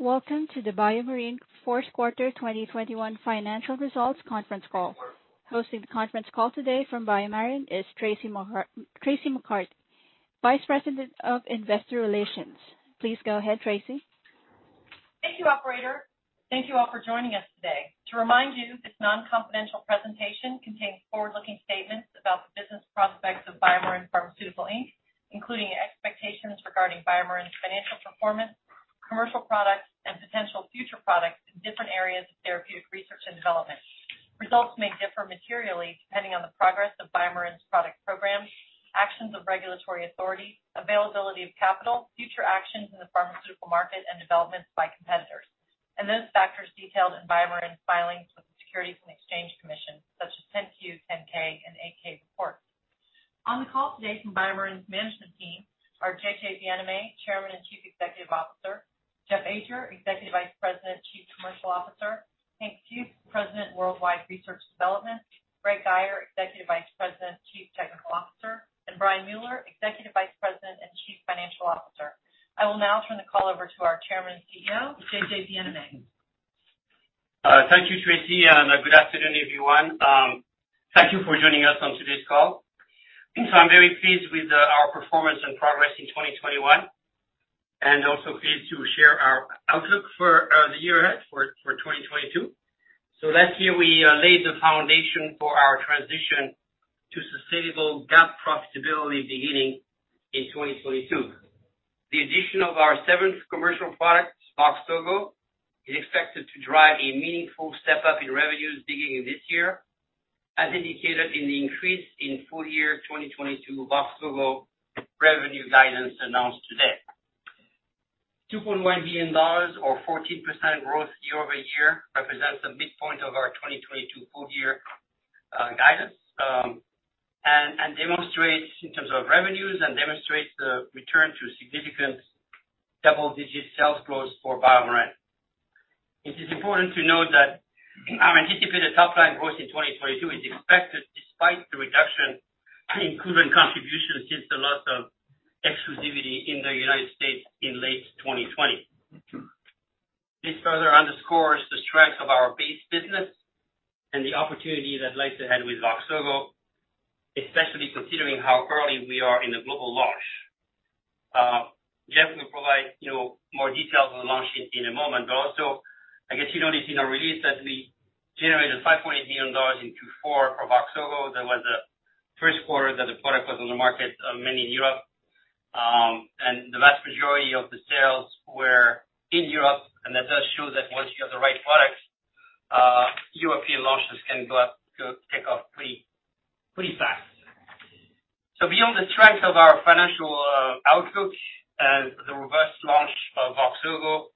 Welcome to the BioMarin fourth quarter 2021 financial results conference call. Hosting the conference call today from BioMarin is Traci McCarty, Vice President of Investor Relations. Please go ahead, Traci. Thank you, operator. Thank you all for joining us today. To remind you, this non-confidential presentation contains forward-looking statements about the business prospects of BioMarin Pharmaceutical Inc., including expectations regarding BioMarin's financial performance, commercial products, and potential future products in different areas of therapeutic research and development. Results may differ materially depending on the progress of BioMarin's product programs, actions of regulatory authority, availability of capital, future actions in the pharmaceutical market, and developments by competitors, and those factors detailed in BioMarin's filings with the Securities and Exchange Commission, such as Form 10-Q, 10-K, and 8-K reports. On the call today from BioMarin's management team are Jean-Jacques Bienaimé, Chairman and Chief Executive Officer, Jeff Ajer, Executive Vice President, Chief Commercial Officer, Henry Fuchs, President, Worldwide Research and Development, Greg Guyer, Executive Vice President, Chief Technical Officer, and Brian Mueller, Executive Vice President and Chief Financial Officer. I will now turn the call over to our Chairman and CEO, Jean-Jacques Bienaimé. Thank you, Traci, and good afternoon, everyone. Thank you for joining us on today's call. I'm very pleased with our performance and progress in 2021 and also pleased to share our outlook for the year ahead for 2022. Last year we laid the foundation for our transition to sustainable GAAP profitability beginning in 2022. The addition of our seventh commercial product, VOXZOGO, is expected to drive a meaningful step-up in revenues beginning this year, as indicated in the increase in full year 2022 VOXZOGO revenue guidance announced today. $2.1 billion or 14% growth year-over-year represents the midpoint of our 2022 full year guidance, and demonstrates in terms of revenues and demonstrates the return to significant double-digit sales growth for BioMarin. It is important to note that our anticipated top line growth in 2022 is expected despite the reduction in Kuvan contribution since the loss of exclusivity in the United States in late 2020. This further underscores the strength of our base business and the opportunity that lies ahead with VOXZOGO, especially considering how early we are in the global launch. Jeff will provide, you know, more details on the launch in a moment. Also, I guess you noticed in our release that we generated $5.8 million in Q4 for VOXZOGO. That was the first quarter that the product was on the market, mainly in Europe. And the vast majority of the sales were in Europe, and that does show that once you have the right products, European launches can go up, take off pretty fast. Beyond the strength of our financial outlook and the robust launch of VOXZOGO,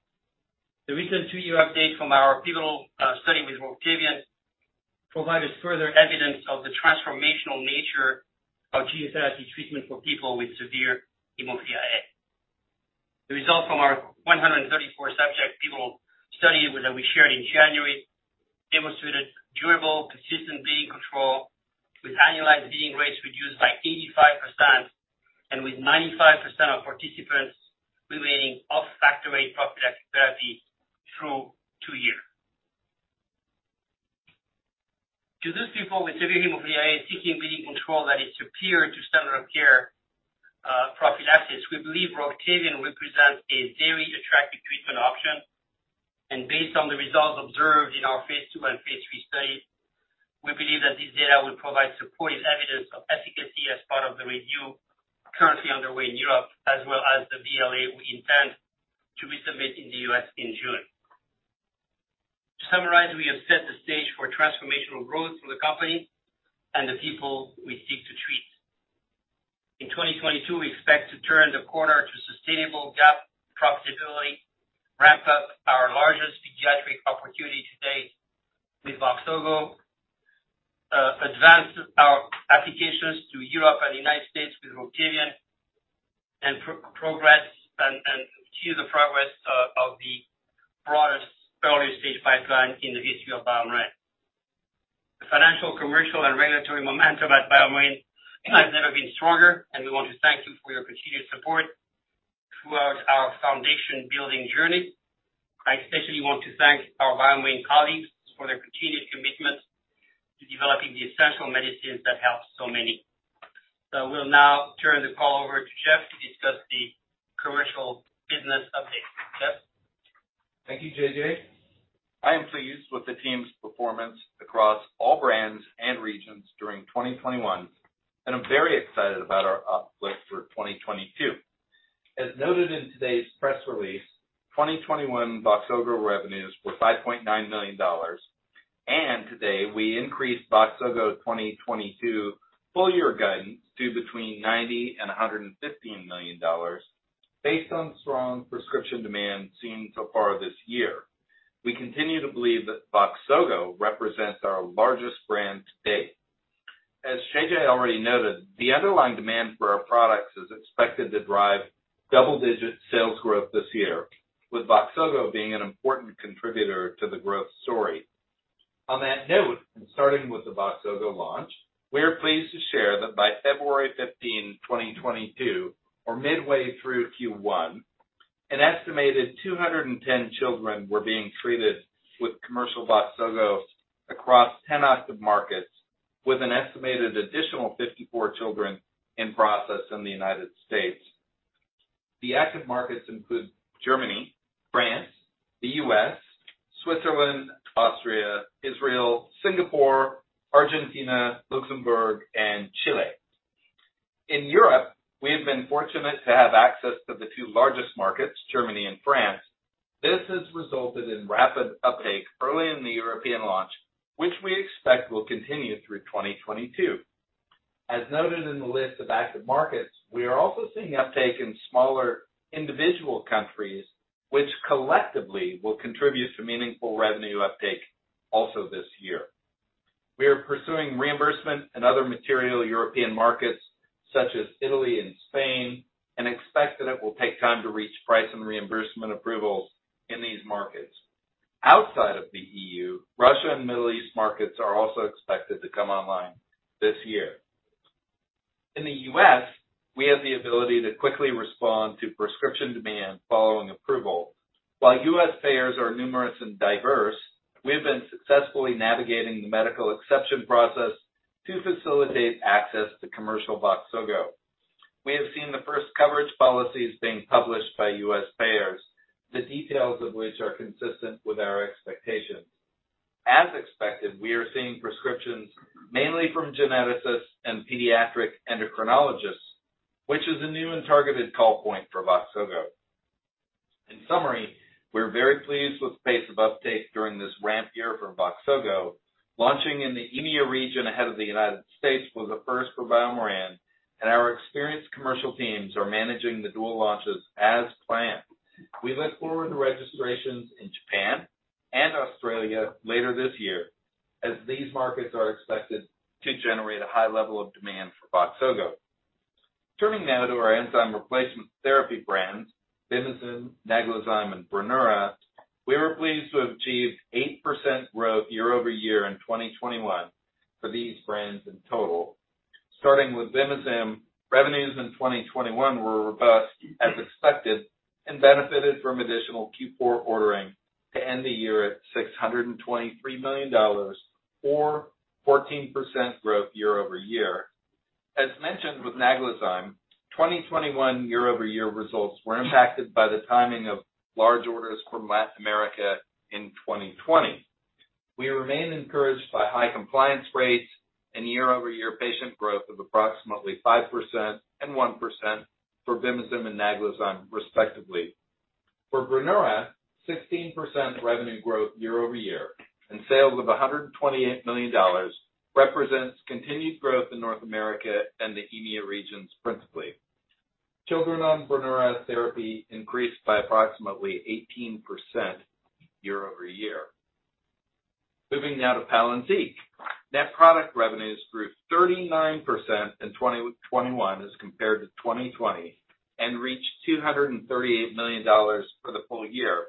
the recent two-year update from our pivotal study with Roctavian provided further evidence of the transformational nature of gene therapy treatment for people with severe hemophilia A. The results from our 134-subject study that we shared in January demonstrated durable, consistent bleeding control with annualized bleeding rates reduced by 85% and with 95% of participants remaining off Factor VIII prophylactic therapy through two years. To those people with severe hemophilia A seeking bleeding control that is superior to standard of care prophylaxis, we believe Roctavian represents a very attractive treatment option. Based on the results observed in our phase II and phase III study, we believe that this data will provide supportive evidence of efficacy as part of the review currently underway in Europe, as well as the BLA we intend to resubmit in the U.S. in June. To summarize, we have set the stage for transformational growth for the company and the people we seek to treat. In 2022, we expect to turn the corner to sustainable GAAP profitability, ramp up our largest pediatric opportunity to date with VOXZOGO, advance our applications to Europe and the United States with Roctavian, and progress and continue the progress of the broadest early stage pipeline in the history of BioMarin. The financial, commercial, and regulatory momentum at BioMarin has never been stronger, and we want to thank you for your continued support throughout our foundation-building journey. I especially want to thank our BioMarin colleagues for their continued commitment to developing the essential medicines that help so many. We'll now turn the call over to Jeff to discuss the commercial business update. Jeff? Thank you, JJ. I am pleased with the team's performance across all brands and regions during 2021, and I'm very excited about our outlook for 2022. As noted in today's press release, 2021 VOXZOGO revenues were $5.9 million and today we increased VOXZOGO 2022 full year guidance to between $90 million and $115 million based on strong prescription demand seen so far this year. We continue to believe that VOXZOGO represents our largest brand to date. As JJ already noted, the underlying demand for our products is expected to drive double-digit sales growth this year, with VOXZOGO being an important contributor to the growth story. On that note, and starting with the VOXZOGO launch, we are pleased to share that by February 15, 2022, or midway through Q1, an estimated 210 children were being treated with commercial VOXZOGO across 10 active markets with an estimated additional 54 children in process in the United States. The active markets include Germany, France, the U.S., Switzerland, Austria, Israel, Singapore, Argentina, Luxembourg, and Chile. In Europe, we have been fortunate to have access to the two largest markets, Germany and France. This has resulted in rapid uptake early in the European launch, which we expect will continue through 2022. As noted in the list of active markets, we are also seeing uptake in smaller individual countries, which collectively will contribute to meaningful revenue uptake also this year. We are pursuing reimbursement in other material European markets such as Italy and Spain, and expect that it will take time to reach price and reimbursement approvals in these markets. Outside of the EU, Russia and Middle East markets are also expected to come online this year. In the U.S., we have the ability to quickly respond to prescription demand following approval. While U.S. payers are numerous and diverse, we have been successfully navigating the medical exception process to facilitate access to commercial VOXZOGO. We have seen the first coverage policies being published by U.S. payers, the details of which are consistent with our expectations. As expected, we are seeing prescriptions mainly from geneticists and pediatric endocrinologists, which is a new and targeted call point for VOXZOGO. In summary, we're very pleased with the pace of uptake during this ramp year for VOXZOGO. Launching in the EMEA region ahead of the United States was a first for BioMarin, and our experienced commercial teams are managing the dual launches as planned. We look forward to registrations in Japan and Australia later this year as these markets are expected to generate a high level of demand for VOXZOGO. Turning now to our enzyme replacement therapy brands, Vimizim, Naglazyme, and Brineura, we were pleased to have achieved 8% growth year-over-year in 2021 for these brands in total. Starting with Vimizim, revenues in 2021 were robust as expected, and benefited from additional Q4 ordering to end the year at $623 million or 14% growth year-over-year. As mentioned with Naglazyme, 2021 year-over-year results were impacted by the timing of large orders from Latin America in 2020. We remain encouraged by high compliance rates and year-over-year patient growth of approximately 5% and 1% for Vimizim and Naglazyme, respectively. For Brineura, 16% revenue growth year-over-year and sales of $128 million represents continued growth in North America and the EMEA regions principally. Children on Brineura therapy increased by approximately 18% year-over-year. Moving now to Palynziq. Net product revenues grew 39% in 2021 as compared to 2020, and reached $238 million for the full year.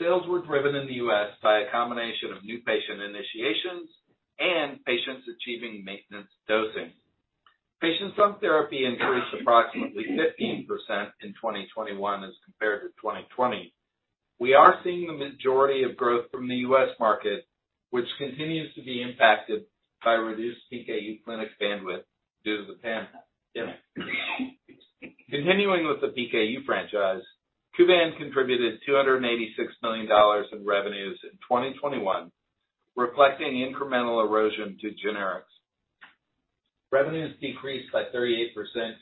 Sales were driven in the U.S. by a combination of new patient initiations and patients achieving maintenance dosing. Patients on therapy increased approximately 15% in 2021 as compared to 2020. We are seeing the majority of growth from the U.S. market, which continues to be impacted by reduced PKU clinic bandwidth due to the pandemic. Continuing with the PKU franchise, Kuvan contributed $286 million in revenues in 2021, reflecting incremental erosion to generics. Revenues decreased by 38%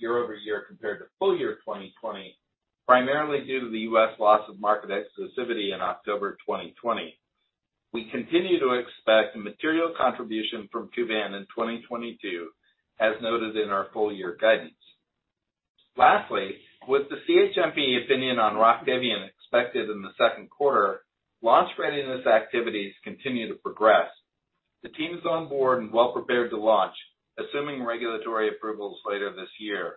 year over year compared to full year 2020, primarily due to the U.S. loss of market exclusivity in October 2020. We continue to expect a material contribution from Kuvan in 2022, as noted in our full year guidance. Lastly, with the CHMP opinion on Roctavian expected in the second quarter, launch readiness activities continue to progress. The team is on board and well prepared to launch, assuming regulatory approvals later this year.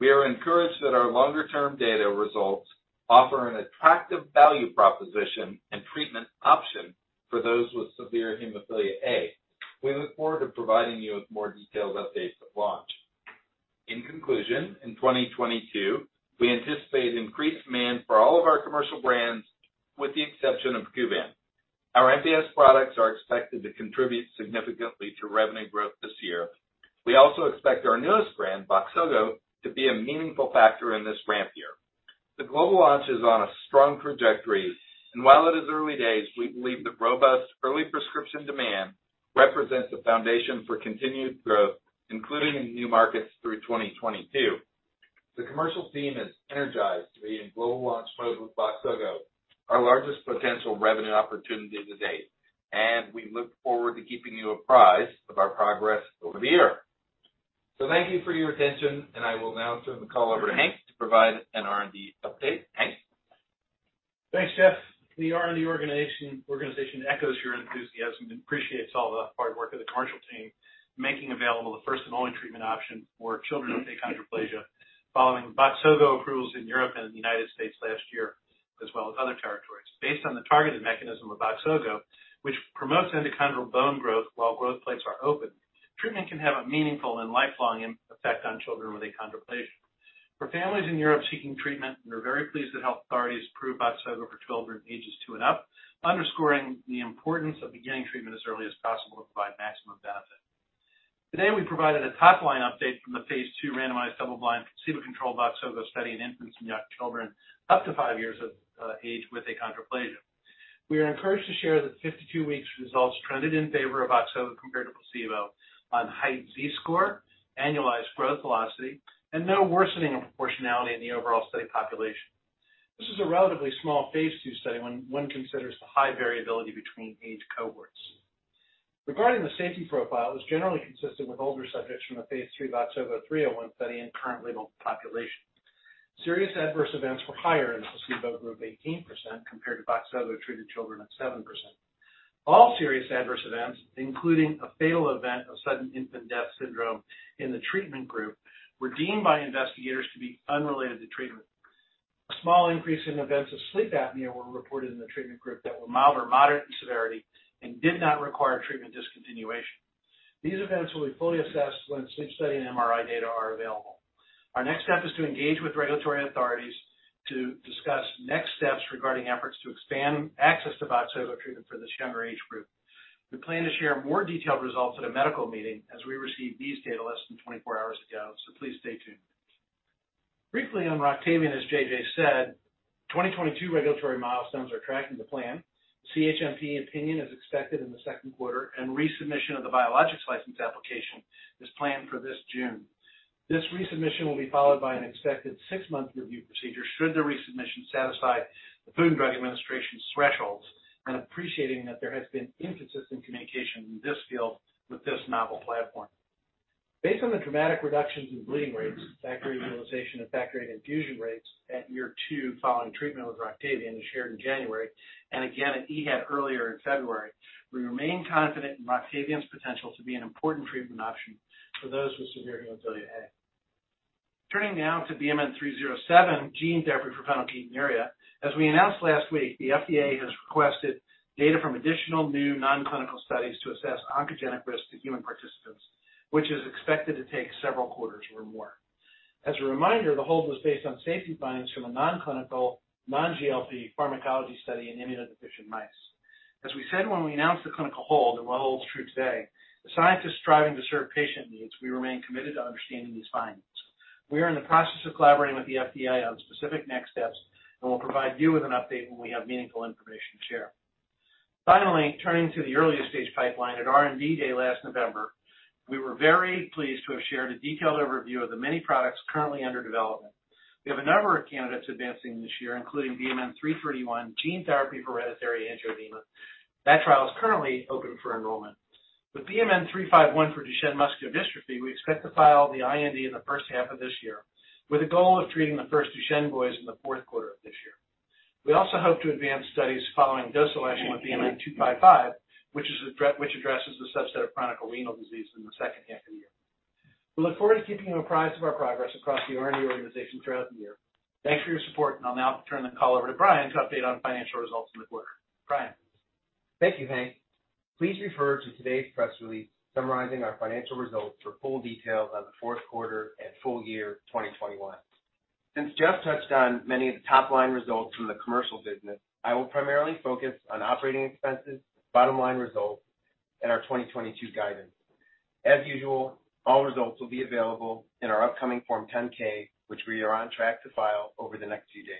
We are encouraged that our longer-term data results offer an attractive value proposition and treatment option for those with severe hemophilia A. We look forward to providing you with more detailed updates at launch. In conclusion, in 2022, we anticipate increased demand for all of our commercial brands, with the exception of Kuvan. Our ERT products are expected to contribute significantly to revenue growth this year. We also expect our newest brand, VOXZOGO, to be a meaningful factor in this ramp year. The global launch is on a strong trajectory, and while it is early days, we believe the robust early prescription demand represents the foundation for continued growth, including in new markets through 2022. The commercial team is energized to be in global launch mode with VOXZOGO, our largest potential revenue opportunity to date, and we look forward to keeping you apprised of our progress over the year. Thank you for your attention, and I will now turn the call over to Hank to provide an R&D update. Hank? Thanks, Jeff. The R&D organization echoes your enthusiasm and appreciates all the hard work of the commercial team making available the first and only treatment option for children with achondroplasia Following VOXZOGO approvals in Europe and in the United States last year, as well as other territories. Based on the targeted mechanism of VOXZOGO, which promotes endochondral bone growth while growth plates are open, treatment can have a meaningful and lifelong impact on children with achondroplasia. For families in Europe seeking treatment, we're very pleased that health authorities approved VOXZOGO for children ages two and up, underscoring the importance of beginning treatment as early as possible to provide maximum benefit. Today, we provided a top-line update from the phase II randomized double-blind placebo-controlled VOXZOGO study in infants and young children up to five years of age with achondroplasia. We are encouraged to share that 52 weeks results trended in favor of VOXZOGO compared to placebo on height Z-score, annualized growth velocity, and no worsening of proportionality in the overall study population. This is a relatively small phase II study when one considers the high variability between age cohorts. Regarding the safety profile, it was generally consistent with older subjects from the phase III VOXZOGO 301 study in currently labeled populations. Serious adverse events were higher in the placebo group, 18%, compared to VOXZOGO-treated children at 7%. All serious adverse events, including a fatal event of sudden infant death syndrome in the treatment group, were deemed by investigators to be unrelated to treatment. A small increase in events of sleep apnea were reported in the treatment group that were mild or moderate in severity and did not require treatment discontinuation. These events will be fully assessed when sleep study and MRI data are available. Our next step is to engage with regulatory authorities to discuss next steps regarding efforts to expand access to VOXZOGO treatment for this younger age group. We plan to share more detailed results at a medical meeting as we received these data less than 24 hours ago, so please stay tuned. Briefly on Roctavian, as JJ said, 2022 regulatory milestones are tracking to plan. CHMP opinion is expected in the second quarter, and resubmission of the biologics license application is planned for this June. This resubmission will be followed by an expected 6-month review procedure should the resubmission satisfy the Food and Drug Administration's thresholds and appreciating that there has been inconsistent communication in this field with this novel platform. Based on the dramatic reductions in bleeding rates, factor utilization, and factor infusion rates at year two following treatment with Roctavian as shared in January and again at EHA earlier in February, we remain confident in Roctavian's potential to be an important treatment option for those with severe hemophilia A. Turning now to BMN 307, gene therapy for phenylketonuria. As we announced last week, the FDA has requested data from additional new non-clinical studies to assess oncogenic risk to human participants, which is expected to take several quarters or more. As a reminder, the hold was based on safety findings from a non-clinical non-GLP pharmacology study in immunodeficient mice. As we said when we announced the clinical hold, and what holds true today, the scientists striving to serve patient needs, we remain committed to understanding these findings. We are in the process of collaborating with the FDA on specific next steps, and we'll provide you with an update when we have meaningful information to share. Finally, turning to the earliest stage pipeline at R&D Day last November, we were very pleased to have shared a detailed overview of the many products currently under development. We have a number of candidates advancing this year, including BMN 331, gene therapy for hereditary angioedema. That trial is currently open for enrollment. With BMN 351 for Duchenne muscular dystrophy, we expect to file the IND in the first half of this year with a goal of treating the first Duchenne boys in the fourth quarter of this year. We also hope to advance studies following dose selection with BMN 255, which addresses the subset of chronic renal disease in the second half of the year. We look forward to keeping you apprised of our progress across the R&D organization throughout the year. Thanks for your support, and I'll now turn the call over to Brian to update on financial results in the quarter. Brian. Thank you, Hank. Please refer to today's press release summarizing our financial results for full details on the fourth quarter and full year 2021. Since Jeff touched on many of the top-line results from the commercial business, I will primarily focus on operating expenses, bottom-line results, and our 2022 guidance. As usual, all results will be available in our upcoming Form 10-K, which we are on track to file over the next few days.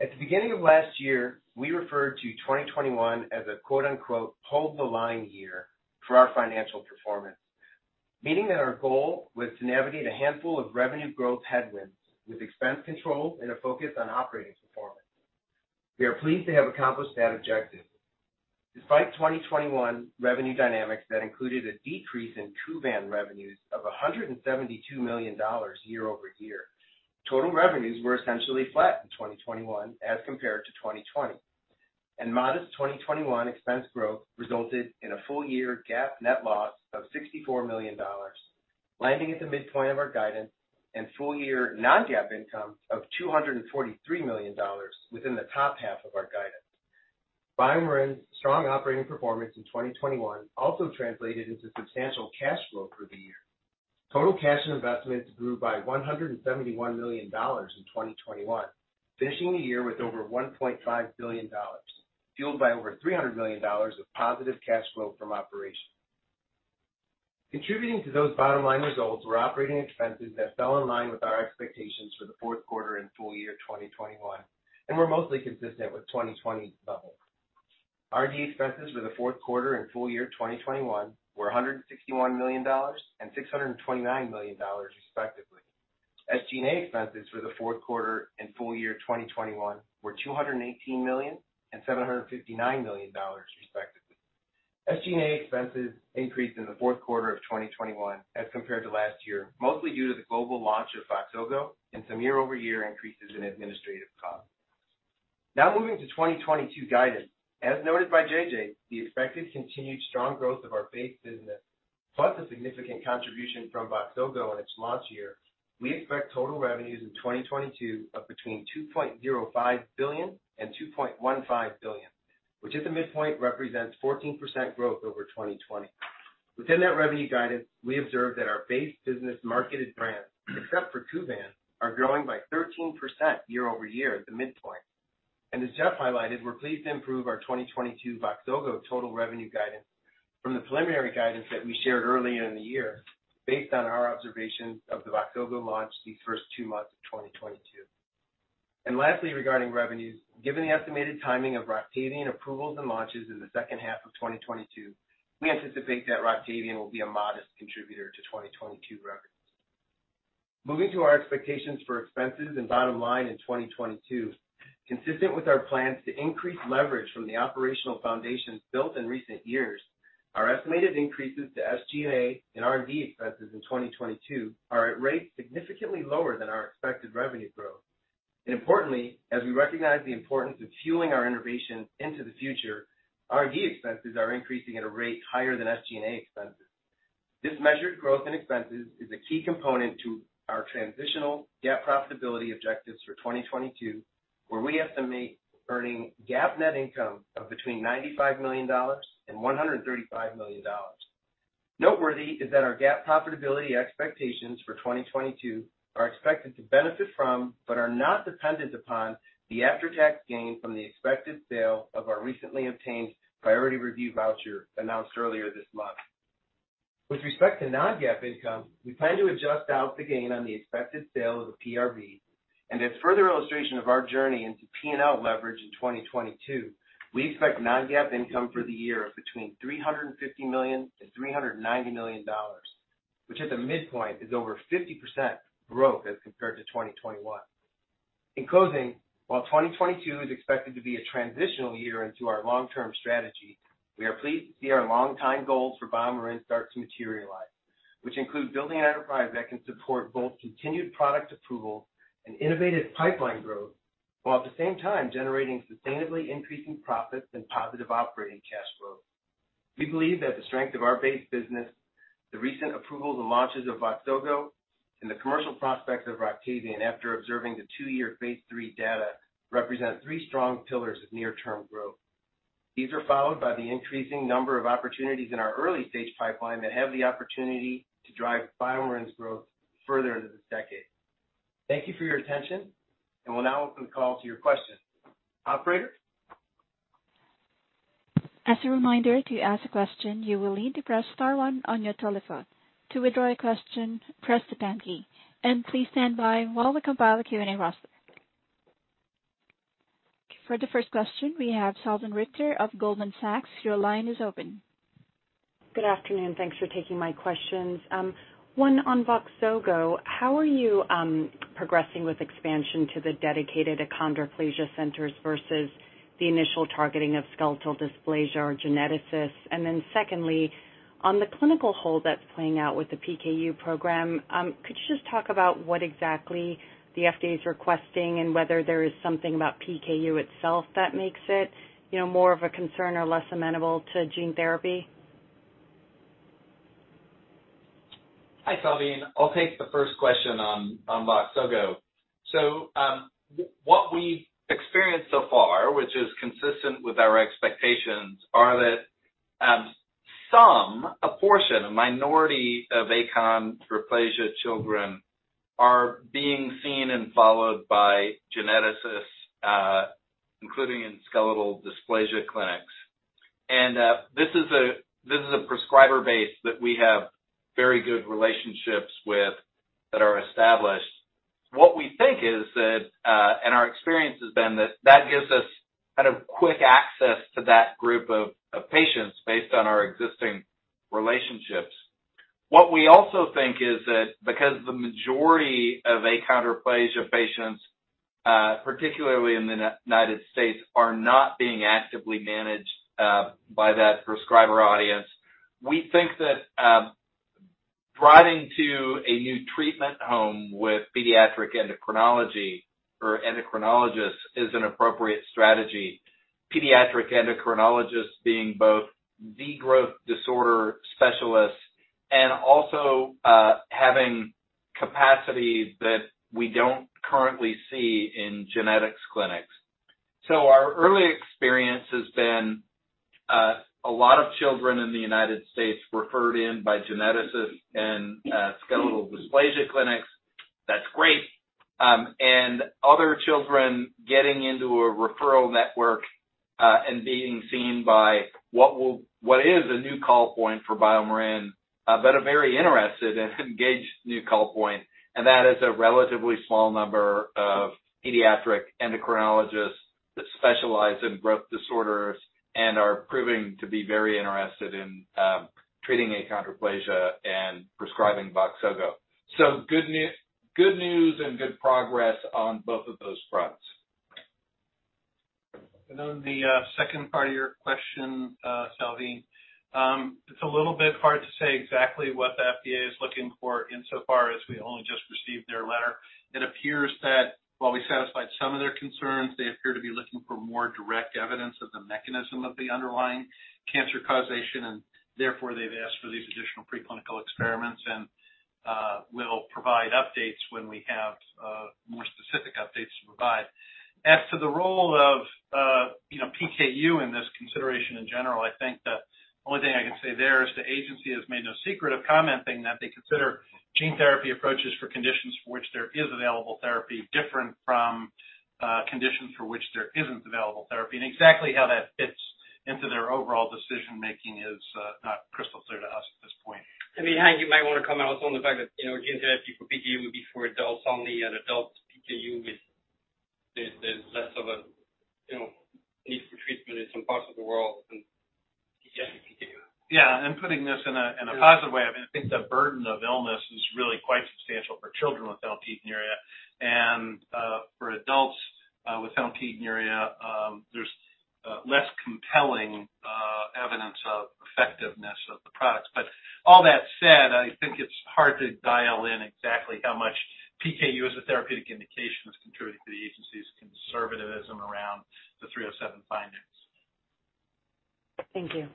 At the beginning of last year, we referred to 2021 as a quote-unquote "hold the line" year for our financial performance, meaning that our goal was to navigate a handful of revenue growth headwinds with expense control and a focus on operating performance. We are pleased to have accomplished that objective. Despite 2021 revenue dynamics that included a decrease in Kuvan revenues of $172 million year over year, total revenues were essentially flat in 2021 as compared to 2020. Modest 2021 expense growth resulted in a full-year GAAP net loss of $64 million, landing at the midpoint of our guidance and full-year non-GAAP income of $243 million within the top half of our guidance. BioMarin's strong operating performance in 2021 also translated into substantial cash flow through the year. Total cash and investments grew by $171 million in 2021, finishing the year with over $1.5 billion, fueled by over $300 million of positive cash flow from operations. Contributing to those bottom-line results were operating expenses that fell in line with our expectations for the fourth quarter and full year 2021 and were mostly consistent with 2020 levels. R&D expenses for the fourth quarter and full year 2021 were $161 million and $629 million, respectively. SG&A expenses for the fourth quarter and full year 2021 were $218 million and $759 million, respectively. SG&A expenses increased in the fourth quarter of 2021 as compared to last year, mostly due to the global launch of VOXZOGO and some year-over-year increases in administrative costs. Now moving to 2022 guidance. As noted by JJ, the expected continued strong growth of our base business, plus a significant contribution from VOXZOGO in its launch year, we expect total revenues in 2022 of between $2.05 billion and $2.15 billion, which at the midpoint represents 14% growth over 2020. Within that revenue guidance, we observe that our base business marketed brands, except for Kuvan, are growing by 13% year-over-year at the midpoint. As Jeff highlighted, we're pleased to improve our 2022 VOXZOGO total revenue guidance from the preliminary guidance that we shared earlier in the year based on our observations of the VOXZOGO launch these first two months of 2022. Lastly, regarding revenues, given the estimated timing of Roctavian approvals and launches in the second half of 2022, we anticipate that Roctavian will be a modest contributor to 2022 revenues. Moving to our expectations for expenses and bottom line in 2022. Consistent with our plans to increase leverage from the operational foundations built in recent years, our estimated increases to SG&A and R&D expenses in 2022 are at rates significantly lower than our expected revenue growth. Importantly, as we recognize the importance of fueling our innovation into the future, R&D expenses are increasing at a rate higher than SG&A expenses. This measured growth in expenses is a key component to our transitional GAAP profitability objectives for 2022, where we estimate earning GAAP net income of between $95 million and $135 million. Noteworthy is that our GAAP profitability expectations for 2022 are expected to benefit from, but are not dependent upon, the after-tax gain from the expected sale of our recently obtained priority review voucher announced earlier this month. With respect to non-GAAP income, we plan to adjust out the gain on the expected sale of the PRV. As further illustration of our journey into P&L leverage in 2022, we expect non-GAAP income for the year of between $350 million-$390 million, which at the midpoint is over 50% growth as compared to 2021. In closing, while 2022 is expected to be a transitional year into our long-term strategy, we are pleased to see our longtime goals for BioMarin start to materialize, which include building an enterprise that can support both continued product approval and innovative pipeline growth, while at the same time generating sustainably increasing profits and positive operating cash flow. We believe that the strength of our base business, the recent approvals and launches of VOXZOGO, and the commercial prospects of Roctavian after observing the two-year phase III data represent three strong pillars of near-term growth. These are followed by the increasing number of opportunities in our early-stage pipeline that have the opportunity to drive BioMarin's growth further into the decade. Thank you for your attention, and we'll now open the call to your questions. Operator? As a reminder, to ask a question, you will need to press star one on your telephone. To withdraw a question, press the pound key. Please stand by while we compile a Q&A roster. For the first question, we have Salveen Richter of Goldman Sachs. Your line is open. Good afternoon. Thanks for taking my questions. One on VOXZOGO. How are you progressing with expansion to the dedicated achondroplasia centers versus the initial targeting of skeletal dysplasia or geneticists? Secondly, on the clinical hold that's playing out with the PKU program, could you just talk about what exactly the FDA is requesting and whether there is something about PKU itself that makes it, you know, more of a concern or less amenable to gene therapy? Hi, Salveen. I'll take the first question on VOXZOGO. What we've experienced so far, which is consistent with our expectations, are that some, a portion, a minority of achondroplasia children are being seen and followed by geneticists, including in skeletal dysplasia clinics. This is a prescriber base that we have very good relationships with that are established. What we think is that, and our experience has been that that gives us kind of quick access to that group of patients based on our existing relationships. What we also think is that because the majority of achondroplasia patients, particularly in the United States, are not being actively managed by that prescriber audience, we think that driving to a new treatment home with pediatric endocrinology or endocrinologists is an appropriate strategy. Pediatric endocrinologists being both the growth disorder specialists and also having capacity that we don't currently see in genetics clinics. Our early experience has been a lot of children in the United States referred in by geneticists and skeletal dysplasia clinics. That's great. And other children getting into a referral network and being seen by what is a new call point for BioMarin, but a very interested and engaged new call point, and that is a relatively small number of pediatric endocrinologists that specialize in growth disorders and are proving to be very interested in treating achondroplasia and prescribing VOXZOGO. Good news and good progress on both of those fronts. On the second part of your question, Salveen, it's a little bit hard to say exactly what the FDA is looking for insofar as we only just received their letter. It appears that while we satisfied some of their concerns, they appear to be looking for more direct evidence of the mechanism of the underlying cancer causation, and therefore they've asked for these additional preclinical experiments and we'll provide updates when we have more specific updates to provide. As to the role of, you know, PKU in this consideration in general, I think the only thing I can say there is the agency has made no secret of commenting that they consider gene therapy approaches for conditions for which there is available therapy, different from conditions for which there isn't available therapy. Exactly how that fits into their overall decision making is not crystal clear to us at this point. I mean, Hank, you might wanna comment also on the fact that, you know, gene therapy for PKU would be for adults only and adult PKU is, there's less of a, you know, need for treatment in some parts of the world than pediatric PKU. Yeah. Putting this in a positive way, I mean, I think the burden of illness is really quite substantial for children with hyperphenylalaninemia. For adults with hyperphenylalaninemia, there's less compelling evidence of effectiveness of the products. All that said, I think it's hard to dial in exactly how much PKU as a therapeutic indication is contributing to the agency's conservatism around the 307 findings. Thank you.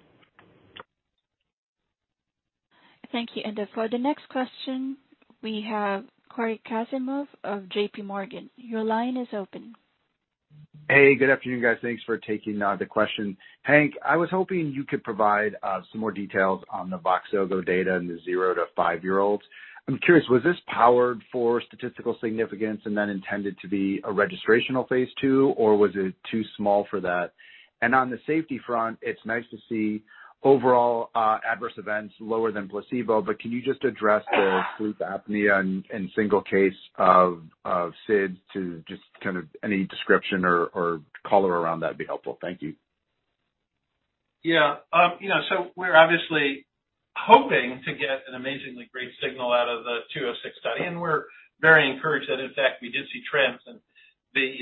Thank you. For the next question, we have Cory Kasimov of J.P. Morgan. Your line is open. Hey, good afternoon, guys. Thanks for taking the question. Hank, I was hoping you could provide some more details on the VOXZOGO data in the zero-five-year-olds. I'm curious, was this powered for statistical significance and then intended to be a registrational phase II, or was it too small for that? On the safety front, it's nice to see overall adverse events lower than placebo, but can you just address the sleep apnea and single case of SIDS to just kind of any description or color around that'd be helpful. Thank you. Yeah. You know, we're obviously hoping to get an amazingly great signal out of the 206 study, and we're very encouraged that in fact, we did see trends. The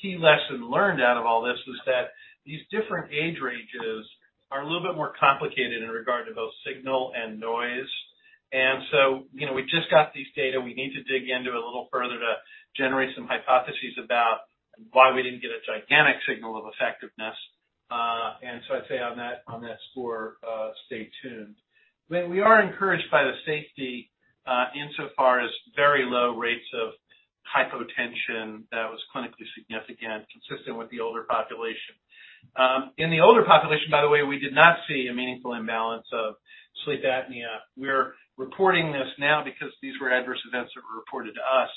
key lesson learned out of all this was that these different age ranges are a little bit more complicated in regard to both signal and noise. You know, we just got these data. We need to dig into it a little further to generate some hypotheses about why we didn't get a gigantic signal of effectiveness. I'd say on that score, stay tuned. I mean, we are encouraged by the safety, insofar as very low rates of hypotension that was clinically significant, consistent with the older population. In the older population, by the way, we did not see a meaningful imbalance of sleep apnea. We're reporting this now because these were adverse events that were reported to us,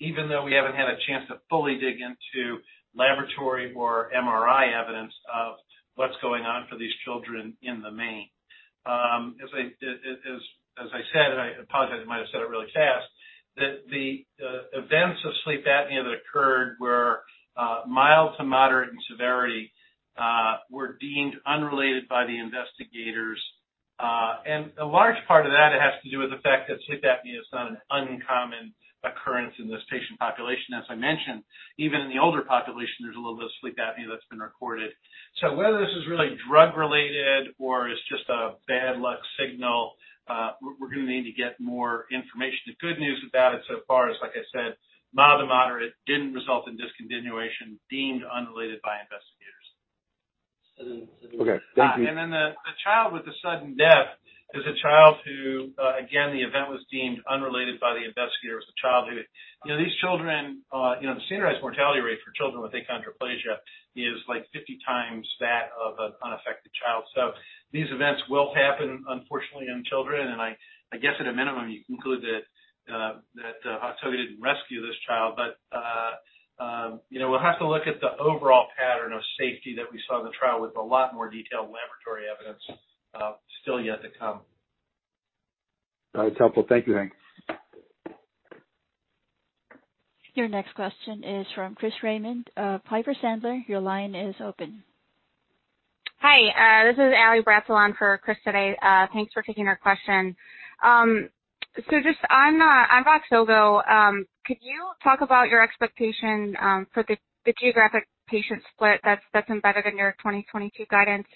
even though we haven't had a chance to fully dig into laboratory or MRI evidence of what's going on for these children in the main. As I said, and I apologize, I might have said it really fast, that the events of sleep apnea that occurred were mild to moderate in severity, were deemed unrelated by the investigators. A large part of that has to do with the fact that sleep apnea is not an uncommon occurrence in this patient population. As I mentioned, even in the older population, there's a little bit of sleep apnea that's been recorded. Whether this is really drug related or it's just a bad luck signal, we're gonna need to get more information. The good news about it so far is, like I said, mild to moderate didn't result in discontinuation deemed unrelated by investigators. Okay. Thank you. Then the child with the sudden death is a child who again the event was deemed unrelated by the investigators. You know, these children, you know, the standardized mortality rate for children with achondroplasia is like 50 times that of an unaffected child. These events will happen unfortunately in children. I guess at a minimum you conclude that VOXZOGO didn't rescue this child. You know, we'll have to look at the overall pattern of safety that we saw in the trial with a lot more detailed laboratory evidence still yet to come. That's helpful. Thank you, Hank. Your next question is from Chris Raymond. Piper Sandler, your line is open. Hi, this is Allison Bratzel for Chris today. Thanks for taking our question. So just on VOXZOGO, could you talk about your expectation for the geographic patient split that's embedded in your 2022 guidance?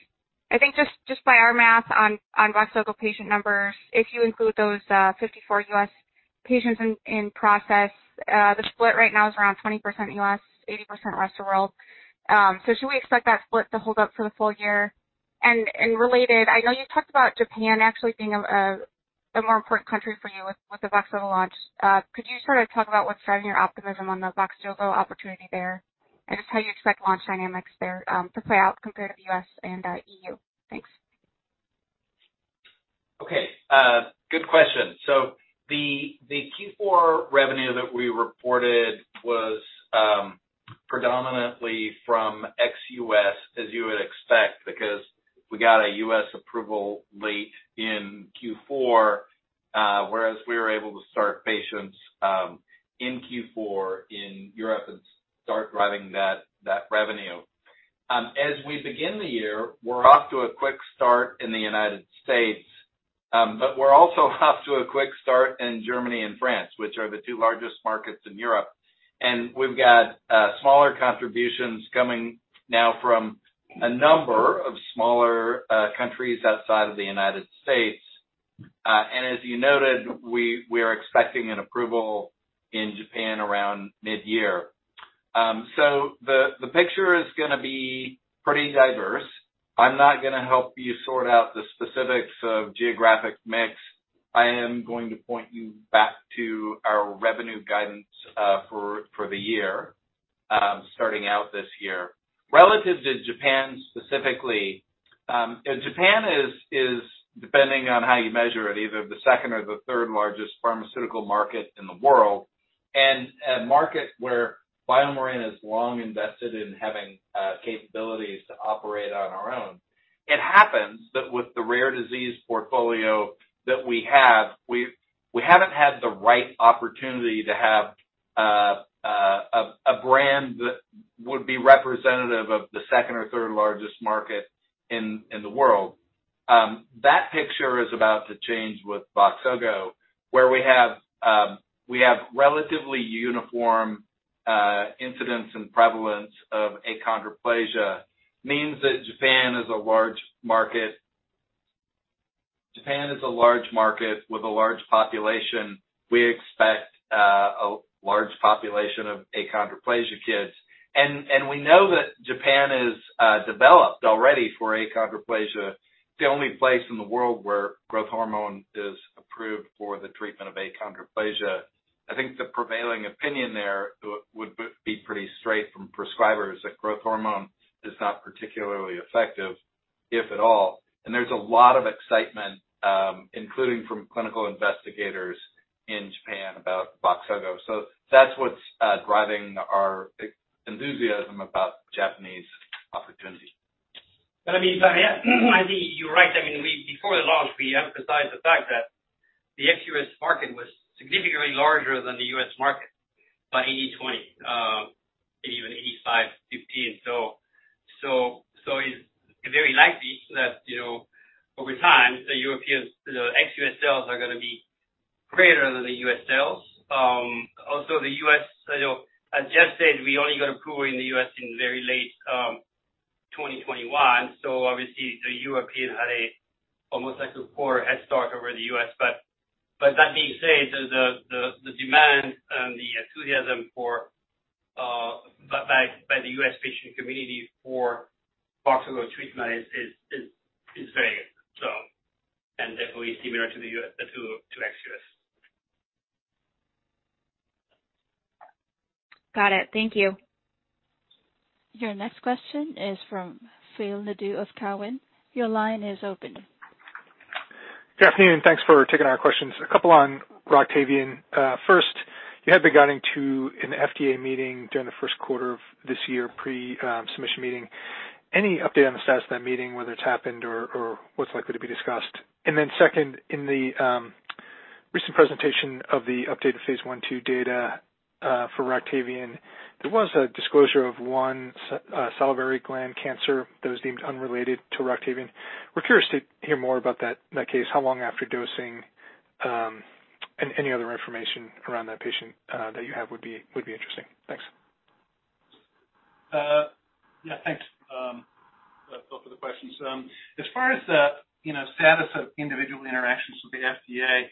I think just by our math on VOXZOGO patient numbers, if you include those 54 U.S. patients in process, the split right now is around 20% U.S., 80% rest of world. So should we expect that split to hold up for the full year? Related, I know you've talked about Japan actually being a more important country for you with the VOXZOGO launch. Could you sort of talk about what's driving your optimism on the VOXZOGO opportunity there, and just how you expect launch dynamics there to play out compared to the U.S. and EU? Thanks. Okay. Good question. The Q4 revenue that we reported was predominantly from ex-U.S., as you would expect, because we got a U.S. approval late in Q4, whereas we were able to start patients in Q4 in Europe and start driving that revenue. As we begin the year, we're off to a quick start in the United States. We're also off to a quick start in Germany and France, which are the two largest markets in Europe. We've got smaller contributions coming now from a number of smaller countries outside of the United States. As you noted, we are expecting an approval in Japan around mid-year. The picture is gonna be pretty diverse. I'm not gonna help you sort out the specifics of geographic mix. I am going to point you back to our revenue guidance for the year starting out this year. Relative to Japan specifically, Japan is depending on how you measure it, either the second or the third largest pharmaceutical market in the world, and a market where BioMarin has long invested in having capabilities to operate on our own. It happens that with the rare disease portfolio that we have, we haven't had the right opportunity to have a brand that would be representative of the second or third largest market in the world. That picture is about to change with VOXZOGO, where we have relatively uniform incidence and prevalence of achondroplasia, which means that Japan is a large market. Japan is a large market with a large population. We expect a large population of achondroplasia kids. We know that Japan is developed already for achondroplasia, the only place in the world where growth hormone is approved for the treatment of achondroplasia. I think the prevailing opinion there would be pretty straight from prescribers that growth hormone is not particularly effective, if at all. There's a lot of excitement, including from clinical investigators in Japan, about VOXZOGO. That's what's driving our enthusiasm about Japanese opportunities. I mean, but yeah, I think you're right. I mean, we before the launch, we emphasized the fact that the ex-U.S. market was significantly larger than the U.S. market by 80/20, even 85/15. It's very likely that, you know, over time, the Europeans, the ex-U.S. sales are gonna be greater than the U.S. sales. Also, the U.S., you know, as Jeff said, we only got approval in the U.S. in very late 2021. Obviously the Europeans had almost like a four-year head start over the U.S. But that being said, the demand and the enthusiasm by the U.S. patient community for VOXZOGO treatment is very good. Definitely similar to the U.S., to ex-U.S. Got it. Thank you. Your next question is from Phil Nadeau of TD Cowen. Your line is open. Good afternoon, thanks for taking our questions. A couple on Roctavian. First, you had been guiding to an FDA meeting during the first quarter of this year, pre-submission meeting. Any update on the status of that meeting, whether it's happened or what's likely to be discussed? Second, in the recent presentation of the updated phase I/II data for Roctavian, there was a disclosure of one salivary gland cancer that was deemed unrelated to Roctavian. We're curious to hear more about that case, how long after dosing, and any other information around that patient that you have would be interesting. Thanks. Yeah, thanks, Phil, for the questions. As far as the, you know, status of individual interactions with the FDA,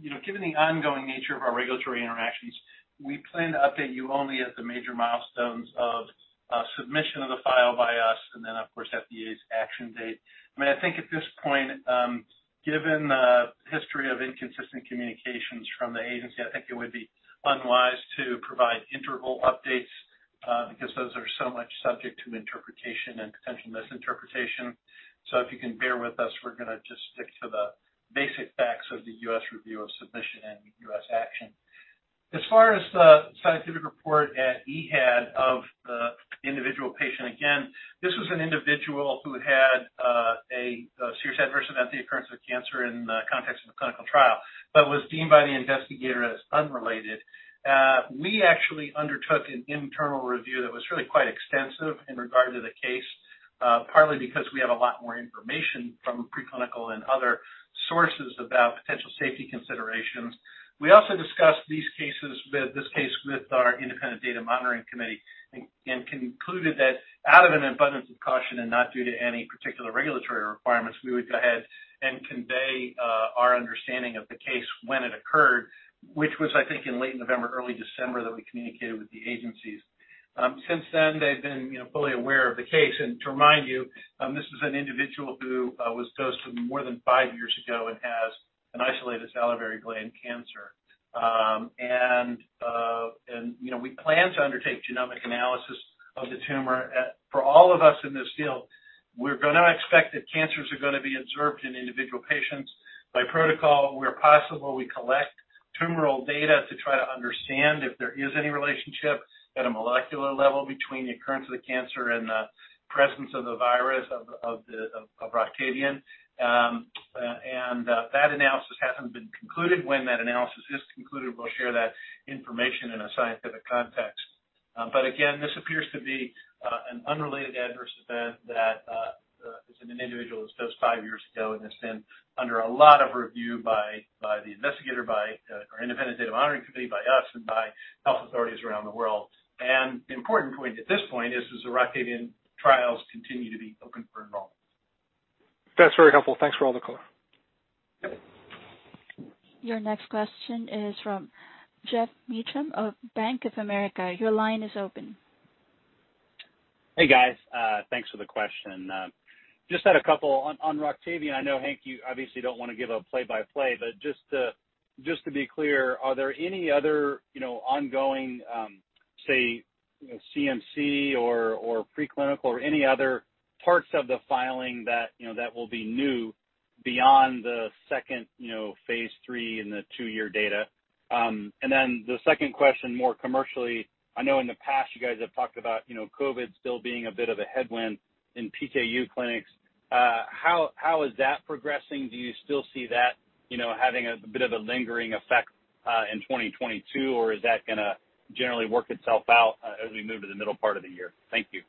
you know, given the ongoing nature of our regulatory interactions, we plan to update you only at the major milestones of submission of the file by us and then, of course, FDA's action date. I mean, I think at this point, given the history of inconsistent communications from the agency, I think it would be unwise to provide interim updates, because those are so much subject to interpretation and potential misinterpretation. If you can bear with us, we're gonna just stick to the basic facts of the U.S. review of submission and U.S. action. As far as the scientific report at EHA of the individual patient, again, this was an individual who had a serious adverse event, the occurrence of cancer in the context of a clinical trial, but was deemed by the investigator as unrelated. We actually undertook an internal review that was really quite extensive in regard to the case, partly because we have a lot more information from preclinical and other sources about potential safety considerations. We also discussed this case with our independent data monitoring committee and concluded that out of an abundance of caution and not due to any particular regulatory requirements, we would go ahead and convey our understanding of the case when it occurred, which was, I think, in late November, early December, that we communicated with the agencies. Since then, they've been, you know, fully aware of the case. To remind you, this is an individual who was dosed more than 5 years ago and has an isolated salivary gland cancer. You know, we plan to undertake genomic analysis of the tumor. For all of us in this field, we're gonna expect that cancers are gonna be observed in individual patients. By protocol, where possible, we collect tumoral data to try to understand if there is any relationship at a molecular level between the occurrence of the cancer and the presence of the virus of Roctavian. That analysis concluded. When that analysis is concluded, we'll share that information in a scientific context. Again, this appears to be an unrelated adverse event that is in an individual that's dosed five years ago and has been under a lot of review by the investigator, by our independent data monitoring committee, by us, and by health authorities around the world. The important point at this point is Roctavian trials continue to be open for enrollment. That's very helpful. Thanks for all the color. Yep. Your next question is from Geoff Meacham of Bank of America. Your line is open. Hey, guys. Thanks for the question. Just had a couple on Roctavian. I know, Hank, you obviously don't wanna give a play-by-play, but just to be clear, are there any other, you know, ongoing, say, you know, CMC or preclinical or any other parts of the filing that, you know, that will be new beyond the second, you know, phase III and the two-year data? And then the second question, more commercially, I know in the past you guys have talked about, you know, COVID still being a bit of a headwind in PKU clinics. How is that progressing? Do you still see that, you know, having a bit of a lingering effect in 2022 or is that gonna generally work itself out as we move to the middle part of the year? Thank you.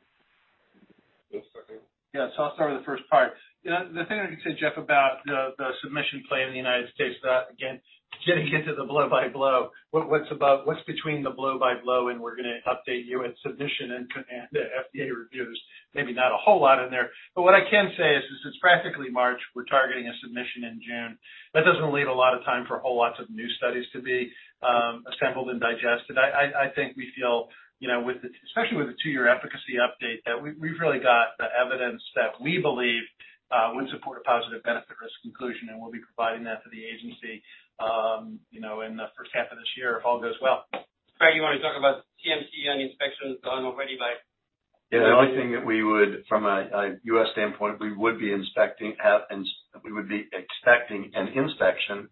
I'll start with the first part. You know, the thing I can say, Jeff, about the submission play in the United States, again, getting into the blow by blow, what's above, what's between the blow by blow, and we're gonna update you at submission and the FDA review. There's maybe not a whole lot in there. What I can say is, since it's practically March, we're targeting a submission in June. That doesn't leave a lot of time for a whole lot of new studies to be assembled and digested. I think we feel, you know, especially with the two-year efficacy update, that we've really got the evidence that we believe would support a positive benefit risk conclusion, and we'll be providing that to the agency, you know, in the first half of this year if all goes well. Greg, you wanna talk about CMC and inspections done already by Yeah. The only thing that we would be looking at from a U.S. standpoint is that we would be expecting an inspection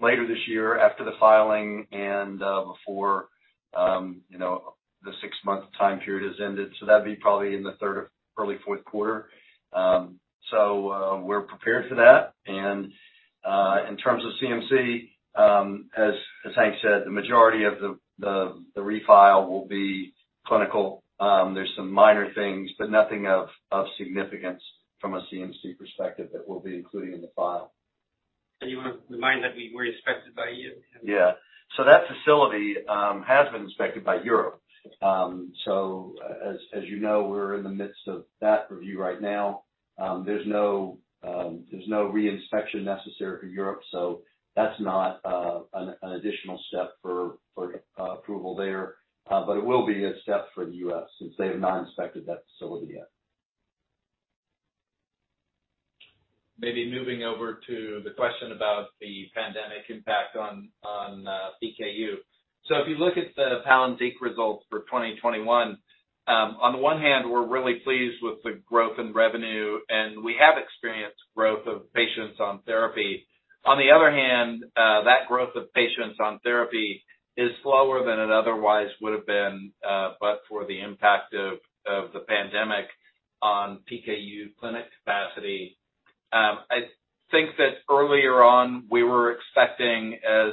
later this year after the filing and before the six-month time period has ended. That'd be probably in the third or early fourth quarter. We're prepared for that. In terms of CMC, as Hank said, the majority of the refile will be clinical. There's some minor things, but nothing of significance from a CMC perspective that we'll be including in the file. You remember that we were inspected by the EU. Yeah. That facility has been inspected by Europe. As you know, we're in the midst of that review right now. There's no re-inspection necessary for Europe, so that's not an additional step for approval there. But it will be a step for the U.S. since they have not inspected that facility yet. Maybe moving over to the question about the pandemic impact on PKU. If you look at the Palynziq results for 2021, on the one hand, we're really pleased with the growth in revenue, and we have experienced growth of patients on therapy. On the other hand, that growth of patients on therapy is slower than it otherwise would have been, but for the impact of the pandemic on PKU clinic capacity. I think that earlier on, we were expecting as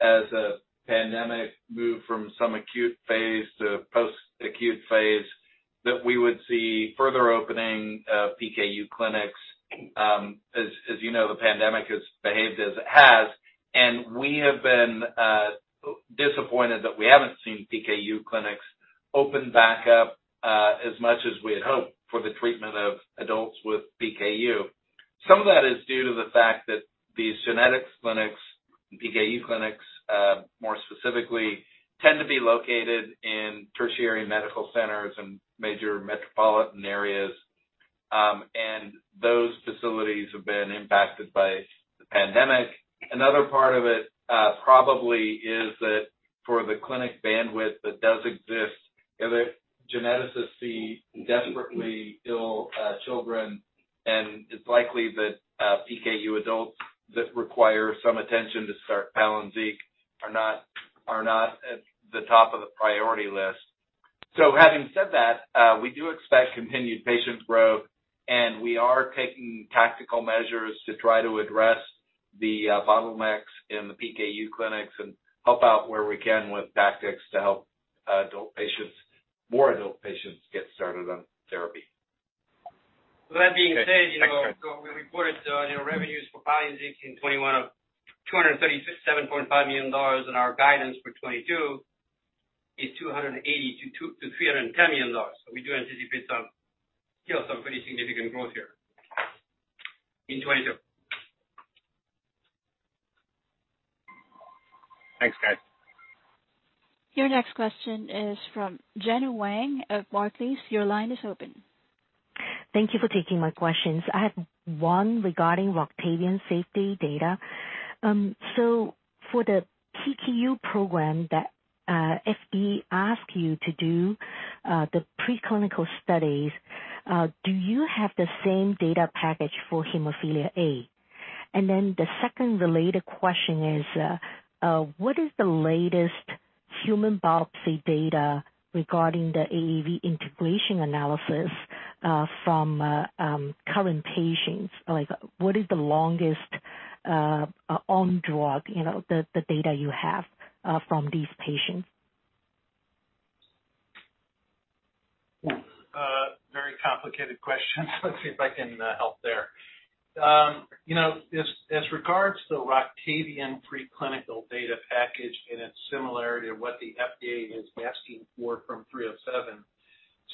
the pandemic moved from some acute phase to post-acute phase, that we would see further opening of PKU clinics. As you know, the pandemic has behaved as it has, and we have been disappointed that we haven't seen PKU clinics open back up, as much as we had hoped for the treatment of adults with PKU. Some of that is due to the fact that these genetics clinics, PKU clinics, more specifically, tend to be located in tertiary medical centers and major metropolitan areas, and those facilities have been impacted by the pandemic. Another part of it, probably is that for the clinic bandwidth that does exist, the geneticists see desperately ill, children, and it's likely that, PKU adults that require some attention to start Palynziq are not at the top of the priority list. Having said that, we do expect continued patient growth, and we are taking tactical measures to try to address the, bottlenecks in the PKU clinics and help out where we can with tactics to help adult patients, more adult patients get started on therapy. That being said, you know, so we reported, you know, revenues for Palynziq in 2021 of $237.5 million, and our guidance for 2022 is $280 million-$310 million. We do anticipate some, still some pretty significant growth here in 2022. Thanks, guys. Your next question is from Gena Wang of Barclays. Your line is open. Thank you for taking my questions. I have one regarding Roctavian safety data. For the PKU program that FDA asked you to do, the preclinical studies, do you have the same data package for hemophilia A? The second related question is, what is the latest human biopsy data regarding the AAV integration analysis, from current patients. Like what is the longest on drug, you know, the data you have from these patients? Very complicated question. Let's see if I can help there. You know, as regards to the Roctavian and preclinical data package and its similarity of what the FDA is asking for from BMN 307,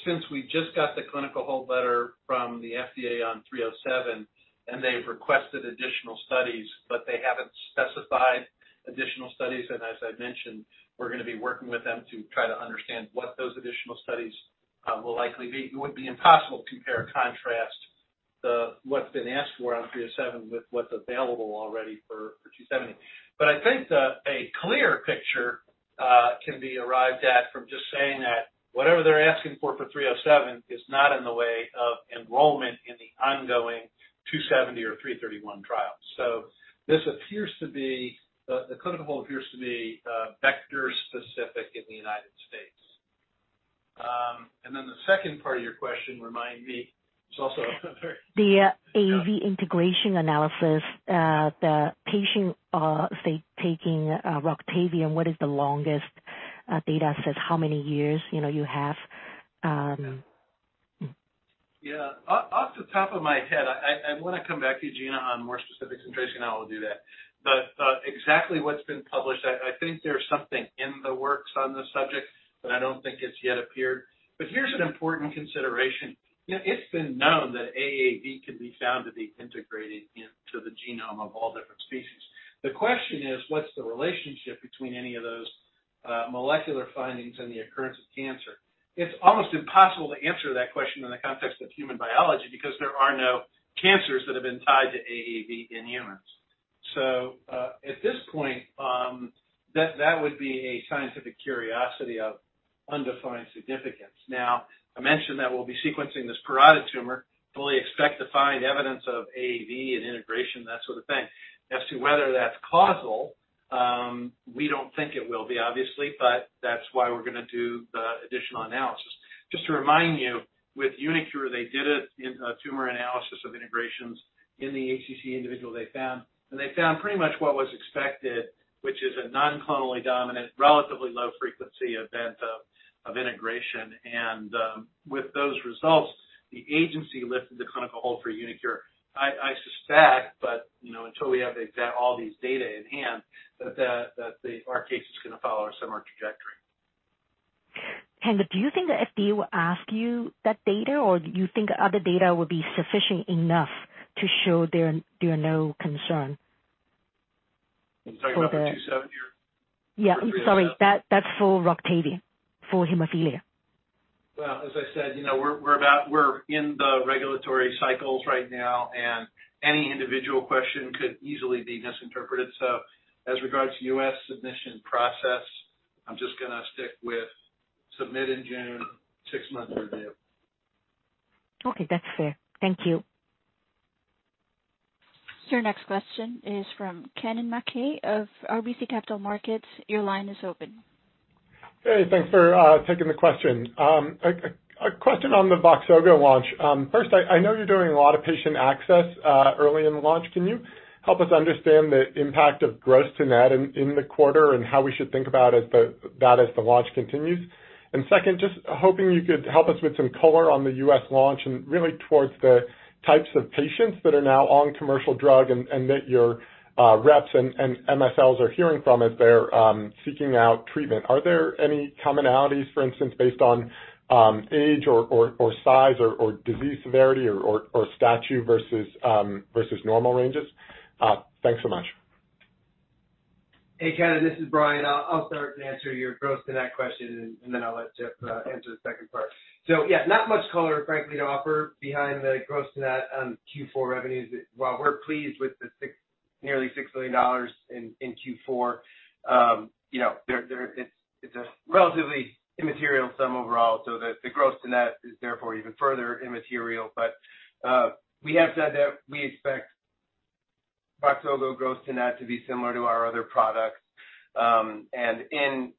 since we just got the clinical hold letter from the FDA on BMN 307, and they've requested additional studies, but they haven't specified additional studies, and as I mentioned, we're gonna be working with them to try to understand what those additional studies will likely be. It would be impossible to compare and contrast the, what's been asked for on BMN 307 with what's available already for BMN 270. I think that a clear picture can be arrived at from just saying that whatever they're asking for for BMN 307 is not in the way of enrollment in the ongoing BMN 270 or BMN 331 trials. This appears to be the clinical hold appears to be vector specific in the United States. And then the second part of your question remind me. It's also very The AAV integration analysis. The patient, say, taking Roctavian, what is the longest data set? How many years, you know, you have? Yeah. Off the top of my head, I wanna come back to you, Gina, on more specifics, and Traci and I will do that. Exactly what's been published, I think there's something in the works on this subject, but I don't think it's yet appeared. Here's an important consideration. You know, it's been known that AAV can be found to be integrated into the genome of all different species. The question is, what's the relationship between any of those molecular findings and the occurrence of cancer? It's almost impossible to answer that question in the context of human biology because there are no cancers that have been tied to AAV in humans. At this point, that would be a scientific curiosity of undefined significance. Now, I mentioned that we'll be sequencing this parotid tumor. We fully expect to find evidence of AAV and integration, that sort of thing. As to whether that's causal, we don't think it will be obviously, but that's why we're gonna do the additional analysis. Just to remind you, with uniQure, they did a tumor analysis of integrations in the ACC individual they found, and they found pretty much what was expected, which is a non-clonally dominant, relatively low frequency event of integration. With those results, the agency lifted the clinical hold for uniQure. I suspect, but you know, until we have all these data in hand, that our case is gonna follow a similar trajectory. Do you think the FDA will ask you that data, or do you think other data will be sufficient enough to show there are no concern? You talking about the BMN 270 or? Yeah. Sorry. That's for Roctavian, for hemophilia. Well, as I said, you know, we're in the regulatory cycles right now, and any individual question could easily be misinterpreted. As regards to U.S. submission process, I'm just gonna stick with submit in June, six-month review. Okay, that's fair. Thank you. Your next question is from Kennen MacKay of RBC Capital Markets. Your line is open. Hey, thanks for taking the question. A question on the VOXZOGO launch. First, I know you're doing a lot of patient access early in the launch. Can you help us understand the impact of gross to net in the quarter and how we should think about that as the launch continues? Second, just hoping you could help us with some color on the U.S. launch and really towards the types of patients that are now on commercial drug and that your reps and MSLs are hearing from as they're seeking out treatment. Are there any commonalities, for instance, based on age or size or disease severity or stature versus normal ranges? Thanks so much. Hey, Kennen, this is Brian. I'll start to answer your gross to net question, and then I'll let Jeff answer the second part. Yeah, not much color, frankly, to offer behind the gross to net on Q4 revenues. While we're pleased with the nearly $6 million in Q4, you know, it's a relatively immaterial sum overall, so the gross to net is therefore even further immaterial. We have said that we expect VOXZOGO gross to net to be similar to our other products.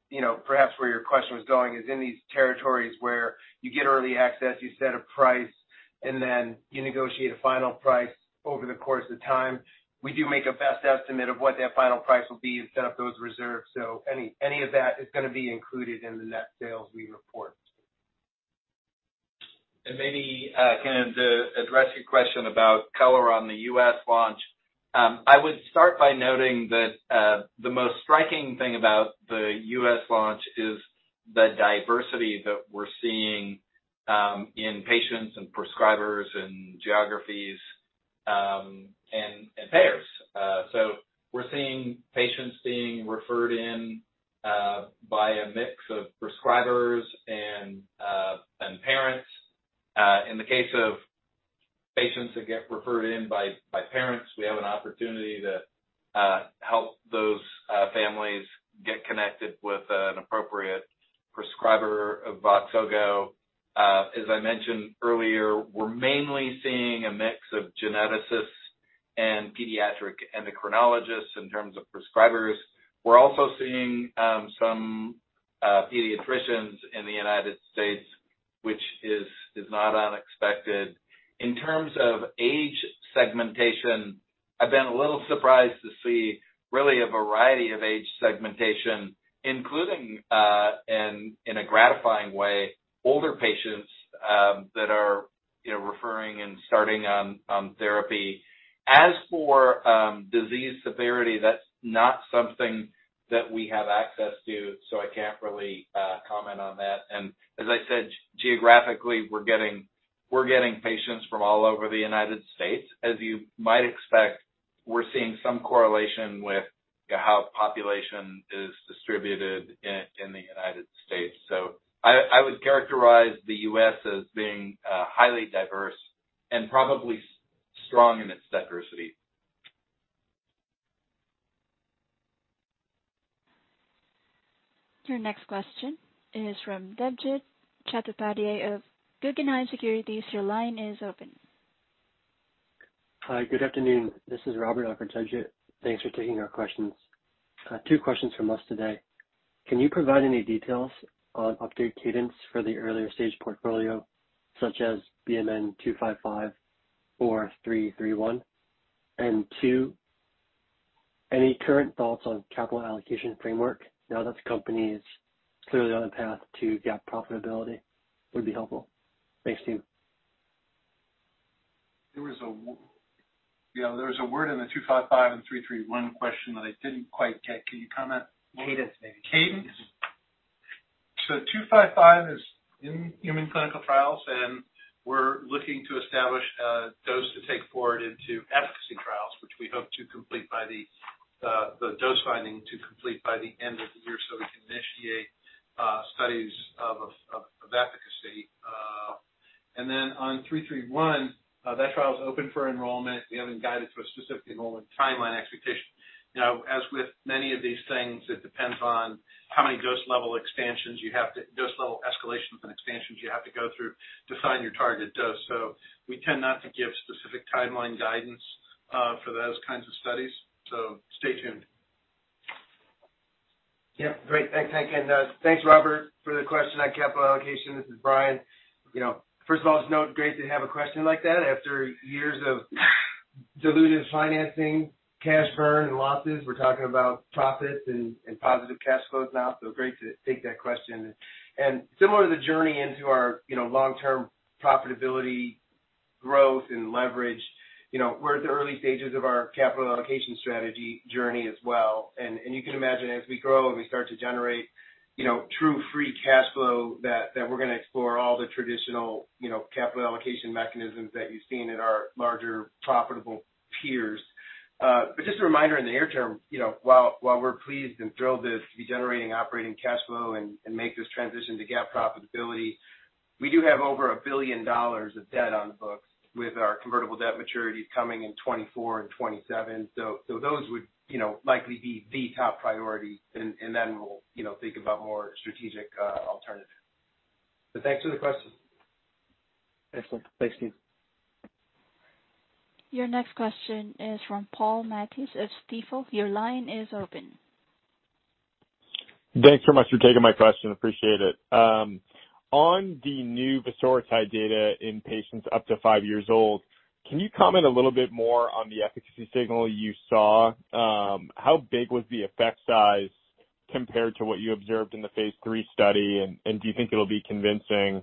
You know, perhaps where your question was going is in these territories where you get early access, you set a price, and then you negotiate a final price over the course of time. We do make a best estimate of what that final price will be and set up those reserves. Any of that is gonna be included in the net sales we report. Maybe, Kennen, to address your question about color on the U.S. launch. I would start by noting that the most striking thing about the U.S. launch is the diversity that we're seeing in patients and prescribers and geographies and payers. We're seeing patients being referred in by a mix of prescribers and parents. In the case of patients that get referred in by parents, we have an opportunity to help those families get connected with an appropriate prescriber of VOXZOGO. As I mentioned earlier, we're mainly seeing a mix of geneticists and pediatric endocrinologists in terms of prescribers. We're also seeing some pediatricians in the United States, which is not unexpected. In terms of age segmentation, I've been a little surprised to see really a variety of age segmentation, including, in a gratifying way, older patients that are referring and starting on therapy. As for disease severity, that's not something that we have access to, so I can't really comment on that. As I said, geographically, we're getting patients from all over the United States. As you might expect, we're seeing some correlation with how population is distributed in the United States. I would characterize the U.S. as being highly diverse and probably strong in its diversity. Your next question is from Debjit Chattopadhyay of Guggenheim Securities. Your line is open. Hi. Good afternoon. This is Robert, not Debjit. Thanks for taking our questions. Two questions from us today. Can you provide any details on update cadence for the earlier stage portfolio, such as BMN 255 or BMN 331? And two, any current thoughts on capital allocation framework now that the company is clearly on the path to GAAP profitability would be helpful. Thanks, team. You know, there was a word in the BMN 255 and BMN 331 question that I didn't quite get. Can you comment? Cadence maybe. Cadence. Two five five is in human clinical trials, and we're looking to establish a dose to take forward into efficacy trials, which we hope to complete by the dose finding to complete by the end of the year so we can initiate studies of efficacy. And then on three three one, that trial is open for enrollment. We haven't guided to a specific enrollment timeline expectation. You know, as with many of these things, it depends on how many dose level escalations and expansions you have to go through to find your target dose. We tend not to give specific timeline guidance for those kinds of studies, so stay tuned. Yeah. Great. Thanks, Robert, for the question on capital allocation. This is Brian Mueller. You know, first of all, just note great to have a question like that after years of diluted financing, cash burn, and losses. We're talking about profits and positive cash flows now, so great to take that question. Similar to the journey into our, you know, long-term profitability growth and leverage, you know, we're at the early stages of our capital allocation strategy journey as well. You can imagine as we grow and we start to generate, you know, true free cash flow, that we're gonna explore all the traditional, you know, capital allocation mechanisms that you've seen in our larger profitable peers. just a reminder in the near term, you know, while we're pleased and thrilled to be generating operating cash flow and make this transition to GAAP profitability, we do have over $1 billion of debt on the books with our convertible debt maturities coming in 2024 and 2027. Those would, you know, likely be the top priority and then we'll, you know, think about more strategic alternatives. Thanks for the question. Excellent. Thanks, team. Your next question is from Paul Matteis of Stifel. Your line is open. Thanks so much for taking my question. Appreciate it. On the new Vosoritide data in patients up to five years old, can you comment a little bit more on the efficacy signal you saw? How big was the effect size compared to what you observed in the phase III study? Do you think it'll be convincing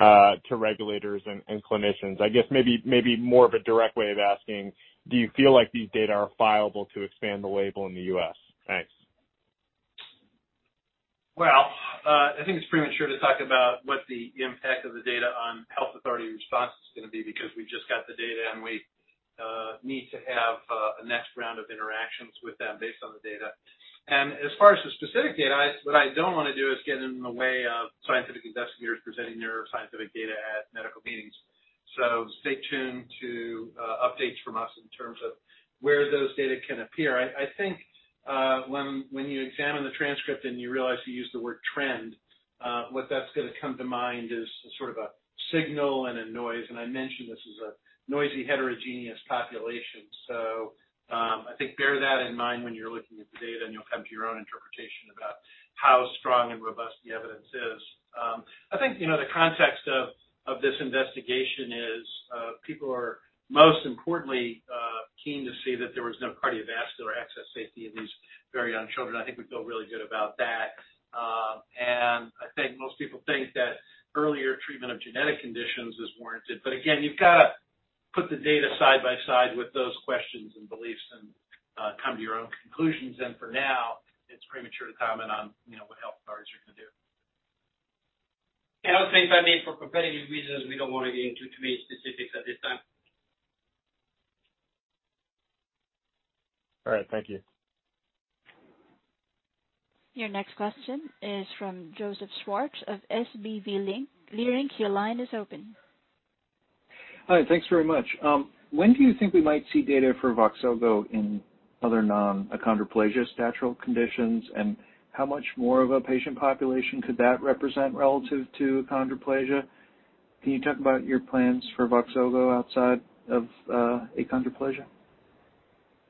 to regulators and clinicians? I guess maybe more of a direct way of asking, do you feel like these data are fileable to expand the label in the U.S.? Thanks. Well, I think it's premature to talk about what the impact of the data on health authority response is gonna be because we just got the data, and we need to have a next round of interactions with them based on the data. As far as the specific data, what I don't wanna do is get in the way of scientific investigators presenting their scientific data at medical meetings. Stay tuned to updates from us in terms of where those data can appear. I think when you examine the transcript and you realize you use the word trend, what that's gonna come to mind is sort of a signal and a noise. I mentioned this is a noisy heterogeneous population. I think bear that in mind when you're looking at the data, and you'll come to your own interpretation about how strong and robust the evidence is. I think, you know, the context of this investigation is, people are most importantly, keen to see that there was no cardiovascular access safety in these very young children. I think we feel really good about that. I think most people think that earlier treatment of genetic conditions is warranted. Again, you've gotta put the data side by side with those questions and beliefs and, come to your own conclusions. For now, it's premature to comment on, you know, what health authorities are gonna do. I would say, if I may, for competitive reasons, we don't wanna get into too many specifics at this time. All right. Thank you. Your next question is from Joseph Schwartz of SVB Leerink. Your line is open. Hi, thanks very much. When do you think we might see data for VOXZOGO in other non-achondroplasia statural conditions? How much more of a patient population could that represent relative to achondroplasia? Can you talk about your plans for VOXZOGO outside of achondroplasia?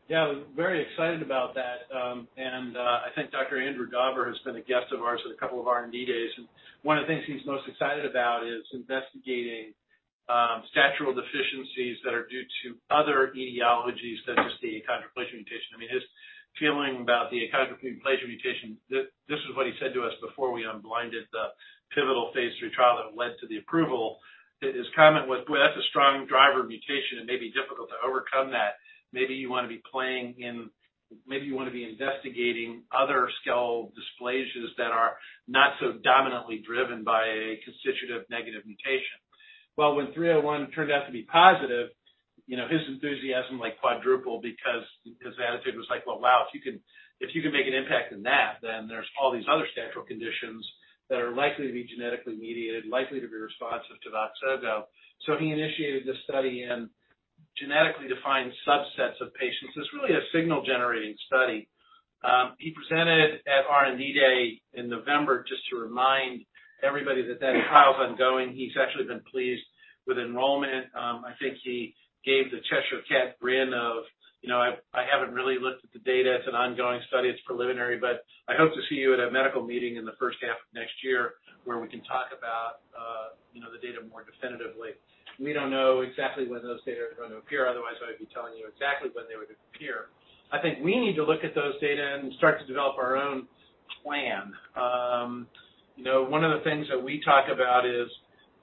Yeah, very excited about that. I think Dr. Andrew Dauber has been a guest of ours at a couple of R&D days. One of the things he's most excited about is investigating statural deficiencies that are due to other etiologies than just the achondroplasia mutation. I mean, his feeling about the achondroplasia mutation, this is what he said to us before we unblinded the pivotal phase III trial that led to the approval. His comment was, "Boy, that's a strong driver mutation. It may be difficult to overcome that. Maybe you wanna be investigating other skeletal dysplasias that are not so dominantly driven by a constitutive negative mutation." Well, when Study 301 turned out to be positive, you know, his enthusiasm, like, quadrupled because his attitude was like: Well, wow, if you can make an impact in that, then there's all these other statural conditions that are likely to be genetically mediated, likely to be responsive to VOXZOGO. So he initiated this study in genetically defined subsets of patients. It's really a signal-generating study. He presented at R&D Day in November just to remind everybody that that trial's ongoing. He's actually been pleased with enrollment. I think he gave the Cheshire Cat grin of, you know, I haven't really looked at the data. It's an ongoing study, it's preliminary, but I hope to see you at a medical meeting in the first half of next year where we can talk about, you know, the data more definitively. We don't know exactly when those data are going to appear, otherwise I would be telling you exactly when they would appear. I think we need to look at those data and start to develop our own plan. One of the things that we talk about is,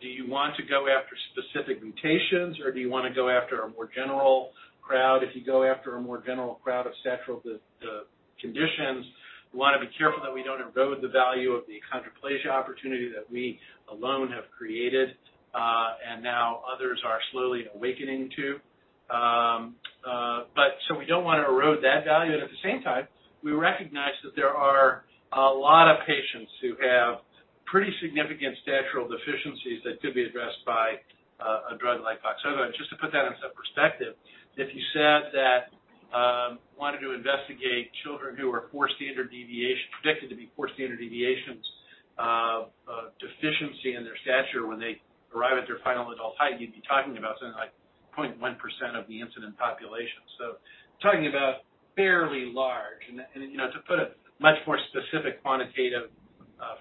do you want to go after specific mutations, or do you wanna go after a more general crowd? If you go after a more general crowd of statural conditions, we wanna be careful that we don't erode the value of the achondroplasia opportunity that we alone have created, and now others are slowly awakening to. We don't wanna erode that value, and at the same time, we recognize that there are a lot of patients who have pretty significant statural deficiencies that could be addressed by a drug like VOXZOGO. Just to put that into perspective, if you said that we wanted to investigate children who are predicted to be four standard deviations of deficiency in their stature when they arrive at their final adult height, you'd be talking about something like 0.1% of the incidence population. Talking about fairly large. You know, to put a much more specific quantitative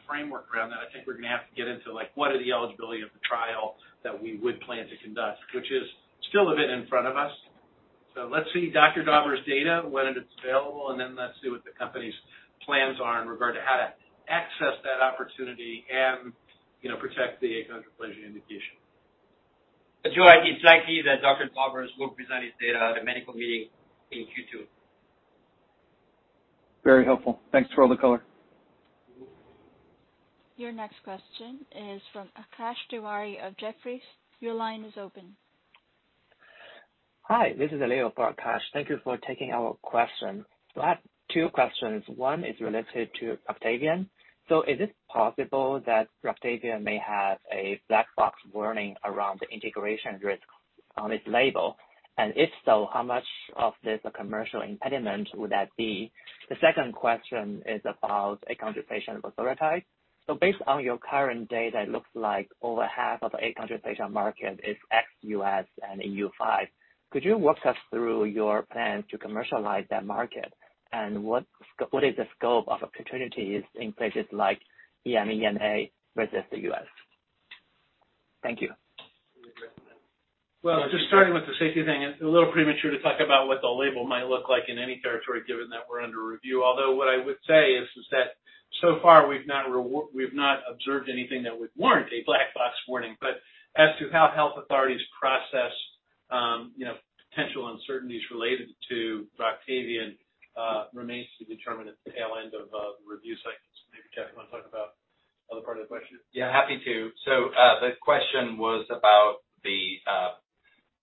framework around that, I think we're gonna have to get into, like, what are the eligibility of the trial that we would plan to conduct, which is still a bit in front of us. Let's see Dr. Dauber's data, when it's available, and then let's see what the company's plans are in regard to how to access that opportunity and, you know, protect the achondroplasia indication. It's likely that Dr. Dauber will present his data at a medical meeting in Q2. Very helpful. Thanks for all the color. Your next question is from Akash Tewari of Jefferies. Your line is open. Hi, this is Leo for Akash Tewari. Thank you for taking our question. I have two questions. One is related to Roctavian. Is it possible that Roctavian may have a black box warning around the integration risk on its label? And if so, how much of this a commercial impediment would that be? The second question is about achondroplasia VOXZOGO. Based on your current data, it looks like over half of achondroplasia market is ex-U.S. and EU5. Could you walk us through your plans to commercialize that market? And what is the scope of opportunities in places like EMEA and NA versus the U.S.? Thank you. Well, just starting with the safety thing, it's a little premature to talk about what the label might look like in any territory, given that we're under review. Although what I would say is that so far we've not observed anything that would warrant a black box warning. As to how health authorities process, you know, potential uncertainties related to Roctavian, remains to be determined at the tail end of the review cycles. Maybe Jeff, you wanna talk about the other part of the question? Yeah, happy to.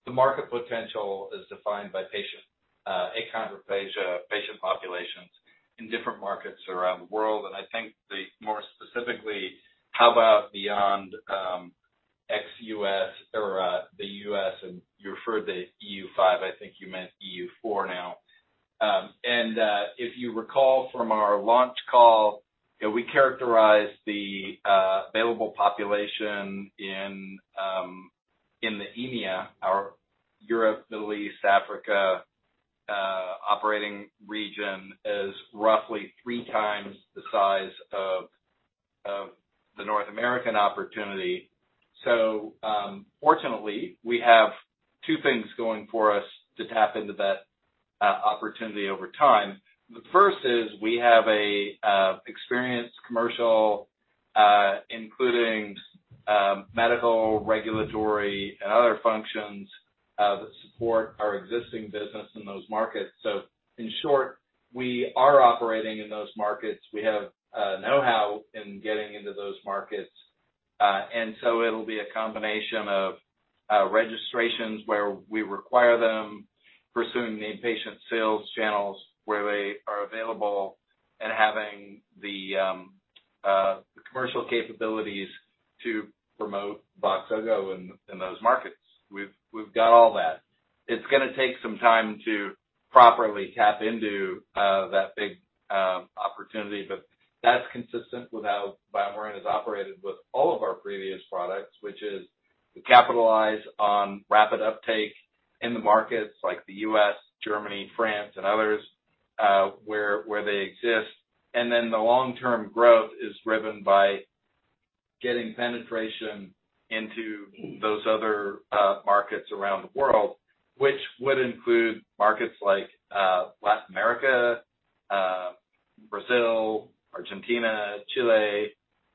The question was about the market potential as defined by patient achondroplasia patient populations in different markets around the world. I think the more specifically, how about beyond ex-US or the US, and you referred to EU5, I think you meant EU4 now. If you recall from our launch call, you know, we characterized the available population in the EMEA, our Europe, Middle East, Africa operating region, as roughly three times the size of the North American opportunity. Fortunately, we have two things going for us to tap into that opportunity over time. The first is we have a experienced commercial, including medical, regulatory and other functions that support our existing business in those markets. In short, we are operating in those markets. We have know-how in getting into those markets. It'll be a combination of registrations where we require them, pursuing the inpatient sales channels where they are available. The commercial capabilities to promote VOXZOGO in those markets. We've got all that. It's gonna take some time to properly tap into that big opportunity, but that's consistent with how BioMarin is operated with all of our previous products, which is to capitalize on rapid uptake in the markets like the U.S., Germany, France and others, where they exist. Then the long-term growth is driven by getting penetration into those other markets around the world, which would include markets like Latin America, Brazil, Argentina, Chile,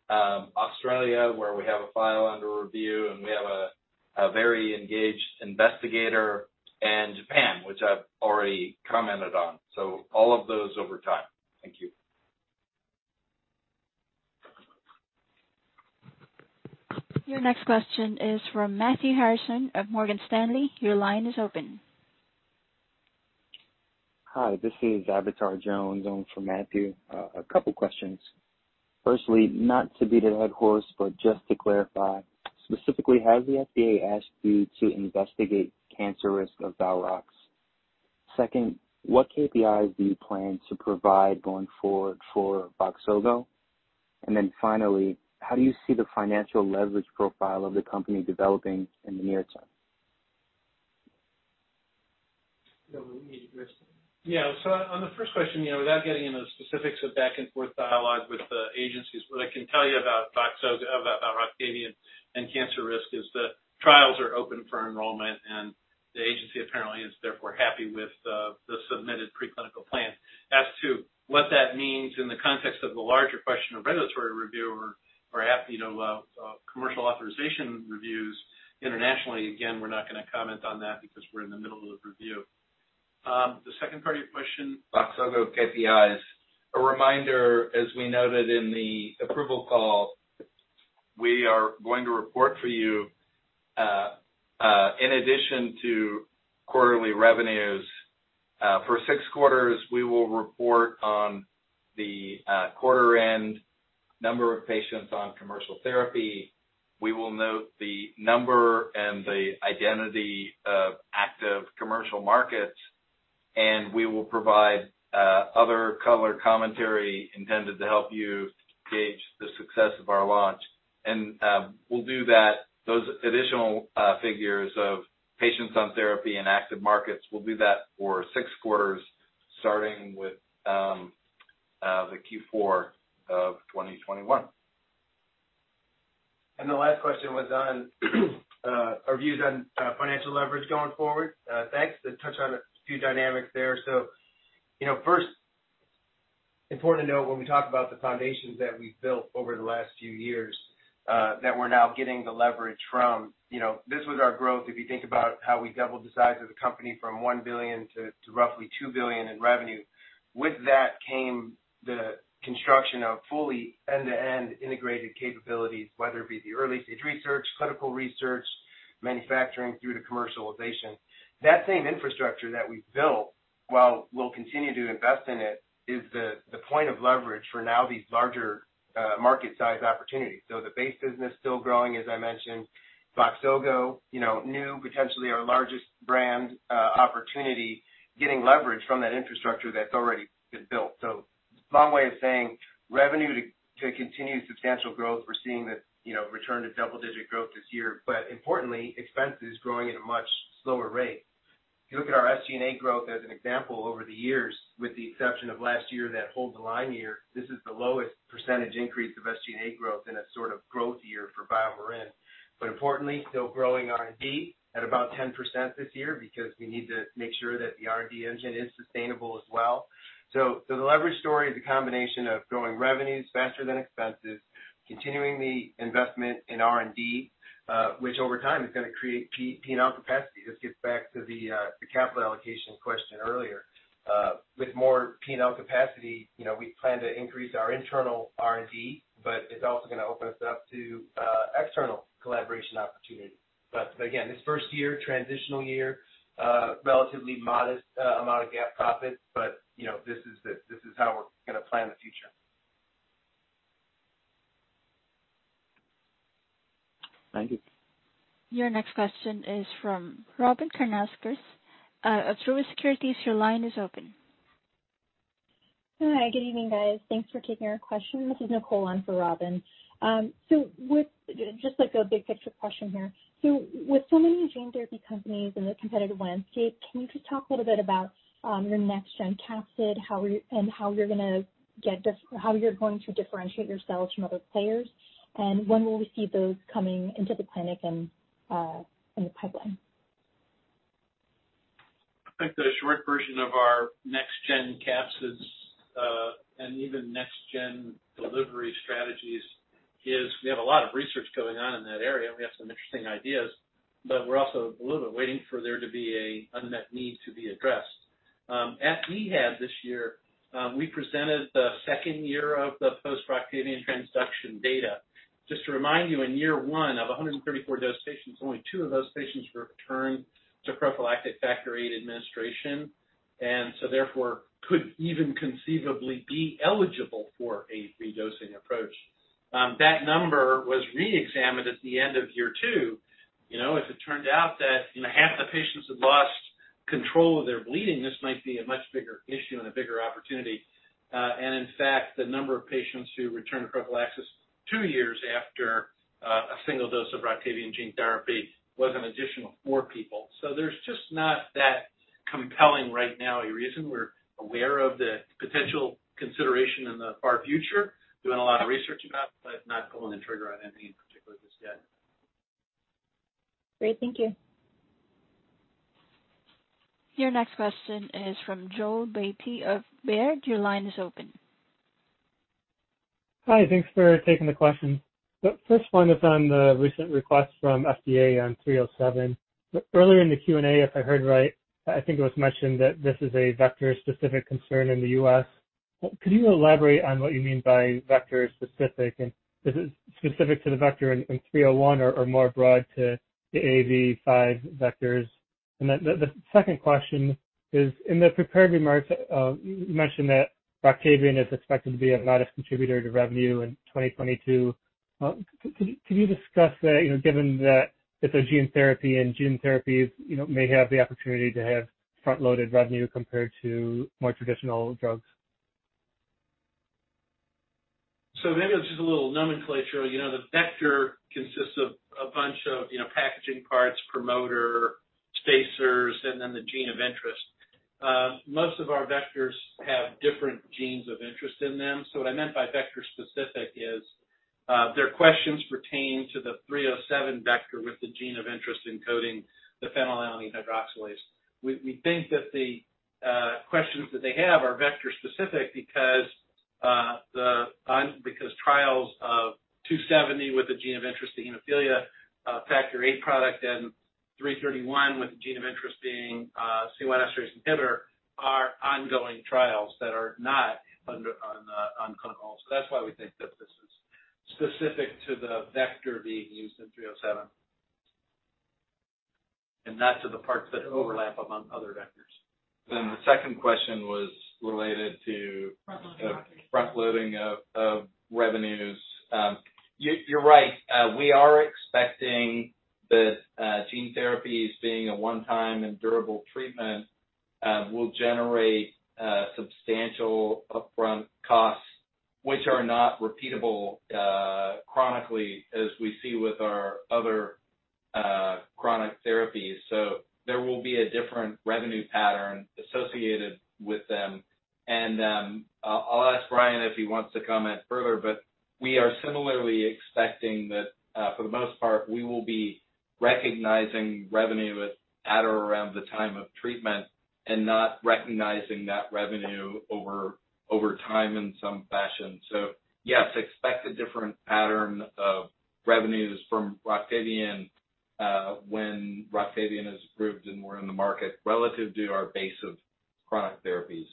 Australia, where we have a file under review, and we have a very engaged investigator, and Japan, which I've already commented on. All of those over time. Thank you. Your next question is from Matthew Harrison of Morgan Stanley. Your line is open. Hi, this is Ahart John on for Matthew. A couple questions. Firstly, not to beat a dead horse, but just to clarify, specifically, has the FDA asked you to investigate cancer risk of Roctavian? Second, what KPIs do you plan to provide going forward for VOXZOGO? And then finally, how do you see the financial leverage profile of the company developing in the near term? Yeah. On the first question, you know, without getting into the specifics of back and forth dialogue with the agencies, what I can tell you about VOXZOGO, about Roctavian and cancer risk is that trials are open for enrollment, and the agency apparently is therefore happy with the submitted preclinical plan. As to what that means in the context of the larger question of regulatory review or you know commercial authorization reviews internationally, again, we're not gonna comment on that because we're in the middle of review. The second part of your question. VOXZOGO KPIs. A reminder, as we noted in the approval call, we are going to report for you, in addition to quarterly revenues, for six quarters, we will report on the quarter end number of patients on commercial therapy. We will note the number and the identity of active commercial markets, and we will provide other color commentary intended to help you gauge the success of our launch. We'll do that, those additional figures of patients on therapy and active markets, we'll do that for 6 quarters, starting with the Q4 of 2021. The last question was on our views on financial leverage going forward. Thanks. To touch on a few dynamics there. You know, first, important to note when we talk about the foundations that we've built over the last few years that we're now getting the leverage from. You know, this was our growth, if you think about how we doubled the size of the company from $1 billion to roughly $2 billion in revenue. With that came the construction of fully end-to-end integrated capabilities, whether it be the early stage research, clinical research, manufacturing through to commercialization. That same infrastructure that we built, while we'll continue to invest in it, is the point of leverage for now these larger market size opportunities. The base business still growing, as I mentioned. VOXZOGO, you know, new, potentially our largest brand, opportunity, getting leverage from that infrastructure that's already been built. Long way of saying revenue to continue substantial growth, we're seeing the you know, return to double-digit growth this year, but importantly, expenses growing at a much slower rate. If you look at our SG&A growth as an example over the years, with the exception of last year, that hold the line year, this is the lowest percentage increase of SG&A growth in a sort of growth year for BioMarin. Importantly, still growing R&D at about 10% this year because we need to make sure that the R&D engine is sustainable as well. The leverage story is a combination of growing revenues faster than expenses, continuing the investment in R&D, which over time is gonna create P&L capacity. This gets back to the capital allocation question earlier. With more P&L capacity, you know, we plan to increase our internal R&D, but it's also gonna open us up to external collaboration opportunities. Again, this first year, transitional year, relatively modest amount of GAAP profit, but you know, this is how we're gonna plan the future. Thank you. Your next question is from Robyn Karnauskas of Truist Securities, your line is open. Hi, good evening, guys. Thanks for taking our question. This is Nicole on for Robin. Just like a big picture question here. With so many gene therapy companies in the competitive landscape, can you just talk a little bit about your next gen capsid, how you're going to differentiate yourselves from other players? And when will we see those coming into the clinic and in the pipeline? I think the short version of our next gen capsids and even next gen delivery strategies is we have a lot of research going on in that area, and we have some interesting ideas, but we're also a little bit waiting for there to be an unmet need to be addressed. At EHA this year, we presented the second year of the post-Roctavian transduction data. Just to remind you, in year one of 134 dosed patients, only two of those patients were returned to prophylactic Factor VIII administration, therefore could even conceivably be eligible for a redosing approach. That number was re-examined at the end of year two. You know, if it turned out that, you know, half the patients had lost control of their bleeding, this might be a much bigger issue and a bigger opportunity. And in fact, the number of patients who returned prophylaxis two years after a single dose of Roctavian gene therapy was an additional four people. There's just not that compelling right now, a reason we're aware of the potential consideration in the far future, doing a lot of research about, but not pulling the trigger on anything in particular just yet. Great. Thank you. Your next question is from Joel Beatty of Baird. Your line is open. Hi. Thanks for taking the question. The first one is on the recent request from FDA on BMN 307. Earlier in the Q&A, if I heard right, I think it was mentioned that this is a vector-specific concern in the U.S. Could you elaborate on what you mean by vector-specific? And is it specific to the vector in BMN 331 or more broad to the AAV5 vectors? And then the second question is, in the prepared remarks, you mentioned that Roctavian is expected to be a modest contributor to revenue in 2022. Could you discuss that, you know, given that it's a gene therapy and gene therapies, you know, may have the opportunity to have front-loaded revenue compared to more traditional drugs? Maybe it's just a little nomenclature. You know, the vector consists of a bunch of, you know, packaging parts, promoter, spacers, and then the gene of interest. Most of our vectors have different genes of interest in them. What I meant by vector-specific is their questions pertain to the 307 vector with the gene of interest encoding the phenylalanine hydroxylase. We think that the questions that they have are vector-specific because trials of BMN 270 with the gene of interest, the hemophilia factor VIII product and 331 with the gene of interest being C1 esterase inhibitor are ongoing trials that are not under on clinical. That's why we think that this is specific to the vector being used in 307, not to the parts that overlap among other vectors. The second question was related to. Front loading Roctavian. Front-loading of revenues. You're right. We are expecting that gene therapies being a one-time and durable treatment will generate substantial upfront costs, which are not repeatable chronically as we see with our other chronic therapies. There will be a different revenue pattern associated with them. I'll ask Brian if he wants to comment further, but we are similarly expecting that for the most part we will be recognizing revenue at or around the time of treatment and not recognizing that revenue over time in some fashion. Yes, expect a different pattern of revenues from Roctavian when Roctavian is approved and we're in the market relative to our base of chronic therapies.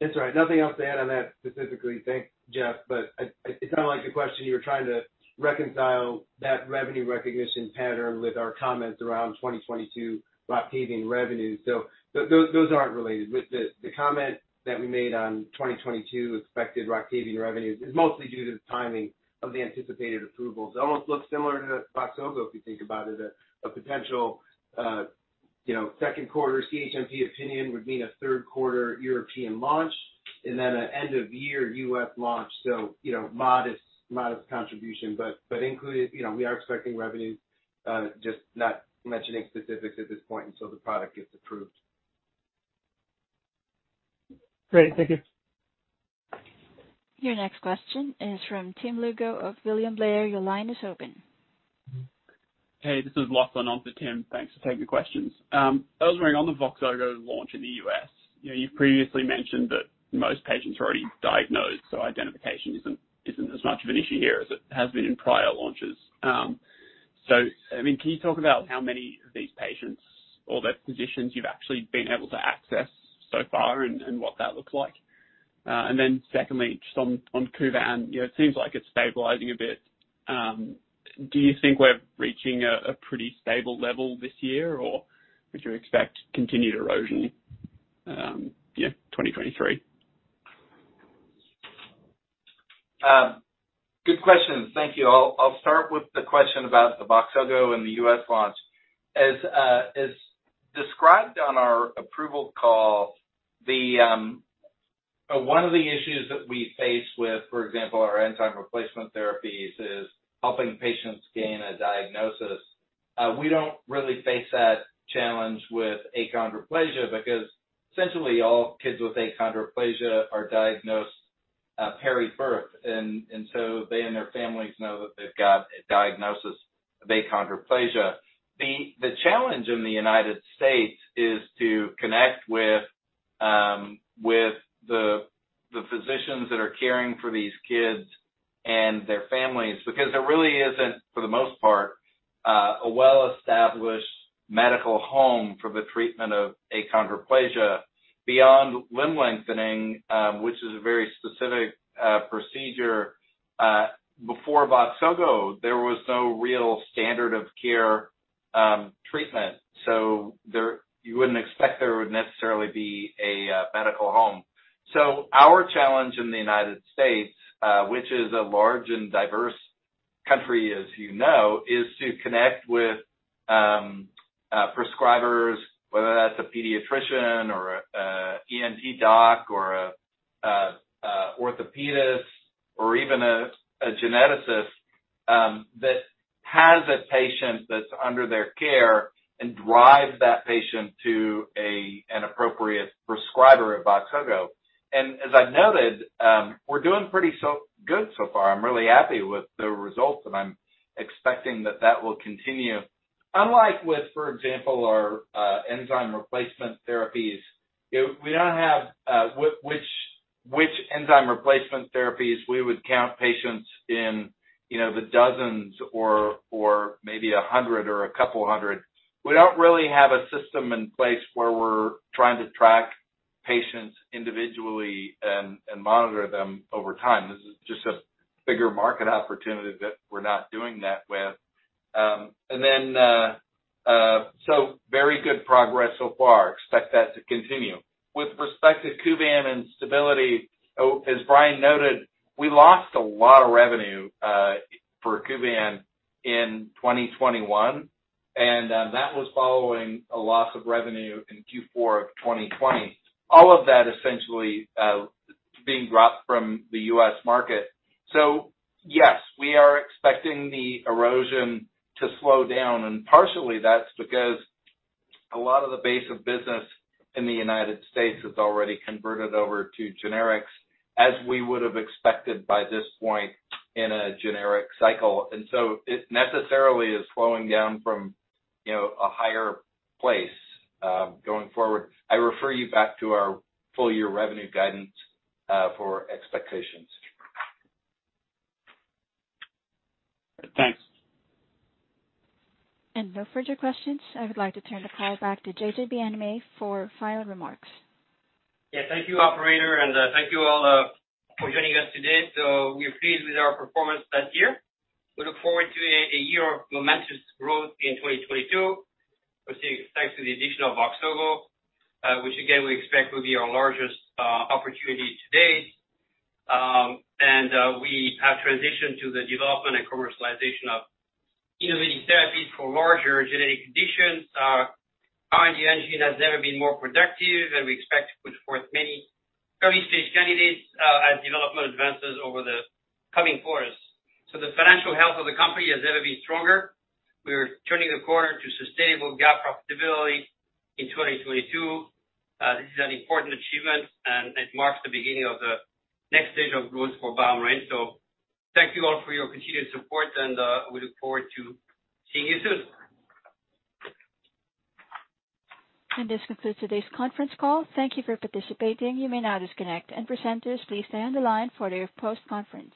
That's right. Nothing else to add on that specifically. Thanks, Jeff, but it sounded like your question, you were trying to reconcile that revenue recognition pattern with our comments around 2022 Roctavian revenue. Those aren't related. The comment that we made on 2022 expected Roctavian revenues is mostly due to the timing of the anticipated approvals. It almost looks similar to VOXZOGO, if you think about it. A potential second quarter CHMP opinion would mean a third quarter European launch, and then an end of year U.S. launch. You know, modest contribution, but included. You know, we are expecting revenue, just not mentioning specifics at this point until the product gets approved. Great. Thank you. Your next question is from Tim Lugo of William Blair. Your line is open. Hey, this is Lachlan, not the Tim. Thanks for taking the questions. I was wondering on the VOXZOGO launch in the U.S., you know, you've previously mentioned that most patients are already diagnosed, so identification isn't as much of an issue here as it has been in prior launches. So, I mean, can you talk about how many of these patients or the physicians you've actually been able to access so far and what that looks like? And then secondly, just on Kuvan, you know, it seems like it's stabilizing a bit. Do you think we're reaching a pretty stable level this year, or would you expect continued erosion, you know, 2023? Good questions. Thank you. I'll start with the question about the VOXZOGO and the U.S. launch. As described on our approval call, one of the issues that we face with, for example, our enzyme replacement therapies is helping patients gain a diagnosis. We don't really face that challenge with achondroplasia because essentially all kids with achondroplasia are diagnosed periparturient. They and their families know that they've got a diagnosis of achondroplasia. The challenge in the United States is to connect with the physicians that are caring for these kids and their families because there really isn't, for the most part. A well-established medical home for the treatment of achondroplasia beyond limb lengthening, which is a very specific procedure. Before VOXZOGO, there was no real standard of care treatment. You wouldn't expect there would necessarily be a medical home. Our challenge in the United States, which is a large and diverse country, as you know, is to connect with prescribers, whether that's a pediatrician or ENT doc or orthopedist or even a geneticist that has a patient that's under their care and drive that patient to an appropriate prescriber of VOXZOGO. As I noted, we're doing pretty good so far. I'm really happy with the results, and I'm expecting that will continue. Unlike with, for example, our enzyme replacement therapies, we don't have which enzyme replacement therapies we would count patients in, you know, the dozens or maybe 100 or a couple 100. We don't really have a system in place where we're trying to track patients individually and monitor them over time. This is just a bigger market opportunity that we're not doing that with. Very good progress so far. Expect that to continue. With respect to Kuvan and stability, as Brian noted, we lost a lot of revenue for Kuvan in 2021, and that was following a loss of revenue in Q4 of 2020. All of that essentially being dropped from the U.S. market. Yes, we are expecting the erosion to slow down. Partially that's because a lot of the base of business in the United States has already converted over to generics, as we would have expected by this point in a generic cycle. It necessarily is slowing down from, you know, a higher place, going forward. I refer you back to our full year revenue guidance, for expectations. Thanks. No further questions. I would like to turn the call back to Jean-Jacques Bienaimé for final remarks. Yeah, thank you operator, and, thank you all, for joining us today. We're pleased with our performance that year. We look forward to a year of momentous growth in 2022, thanks to the addition of VOXZOGO, which again we expect will be our largest, opportunity to date. We have transitioned to the development and commercialization of innovative therapies for larger genetic conditions. Our R&D engine has never been more productive, and we expect to put forth many early-stage candidates, as development advances over the coming quarters. The financial health of the company has never been stronger. We are turning the corner to sustainable GAAP profitability in 2022. This is an important achievement, and it marks the beginning of the next stage of growth for BioMarin. Thank you all for your continued support, and we look forward to seeing you soon. This concludes today's conference call. Thank you for participating. You may now disconnect. Presenters, please stay on the line for your post-conference.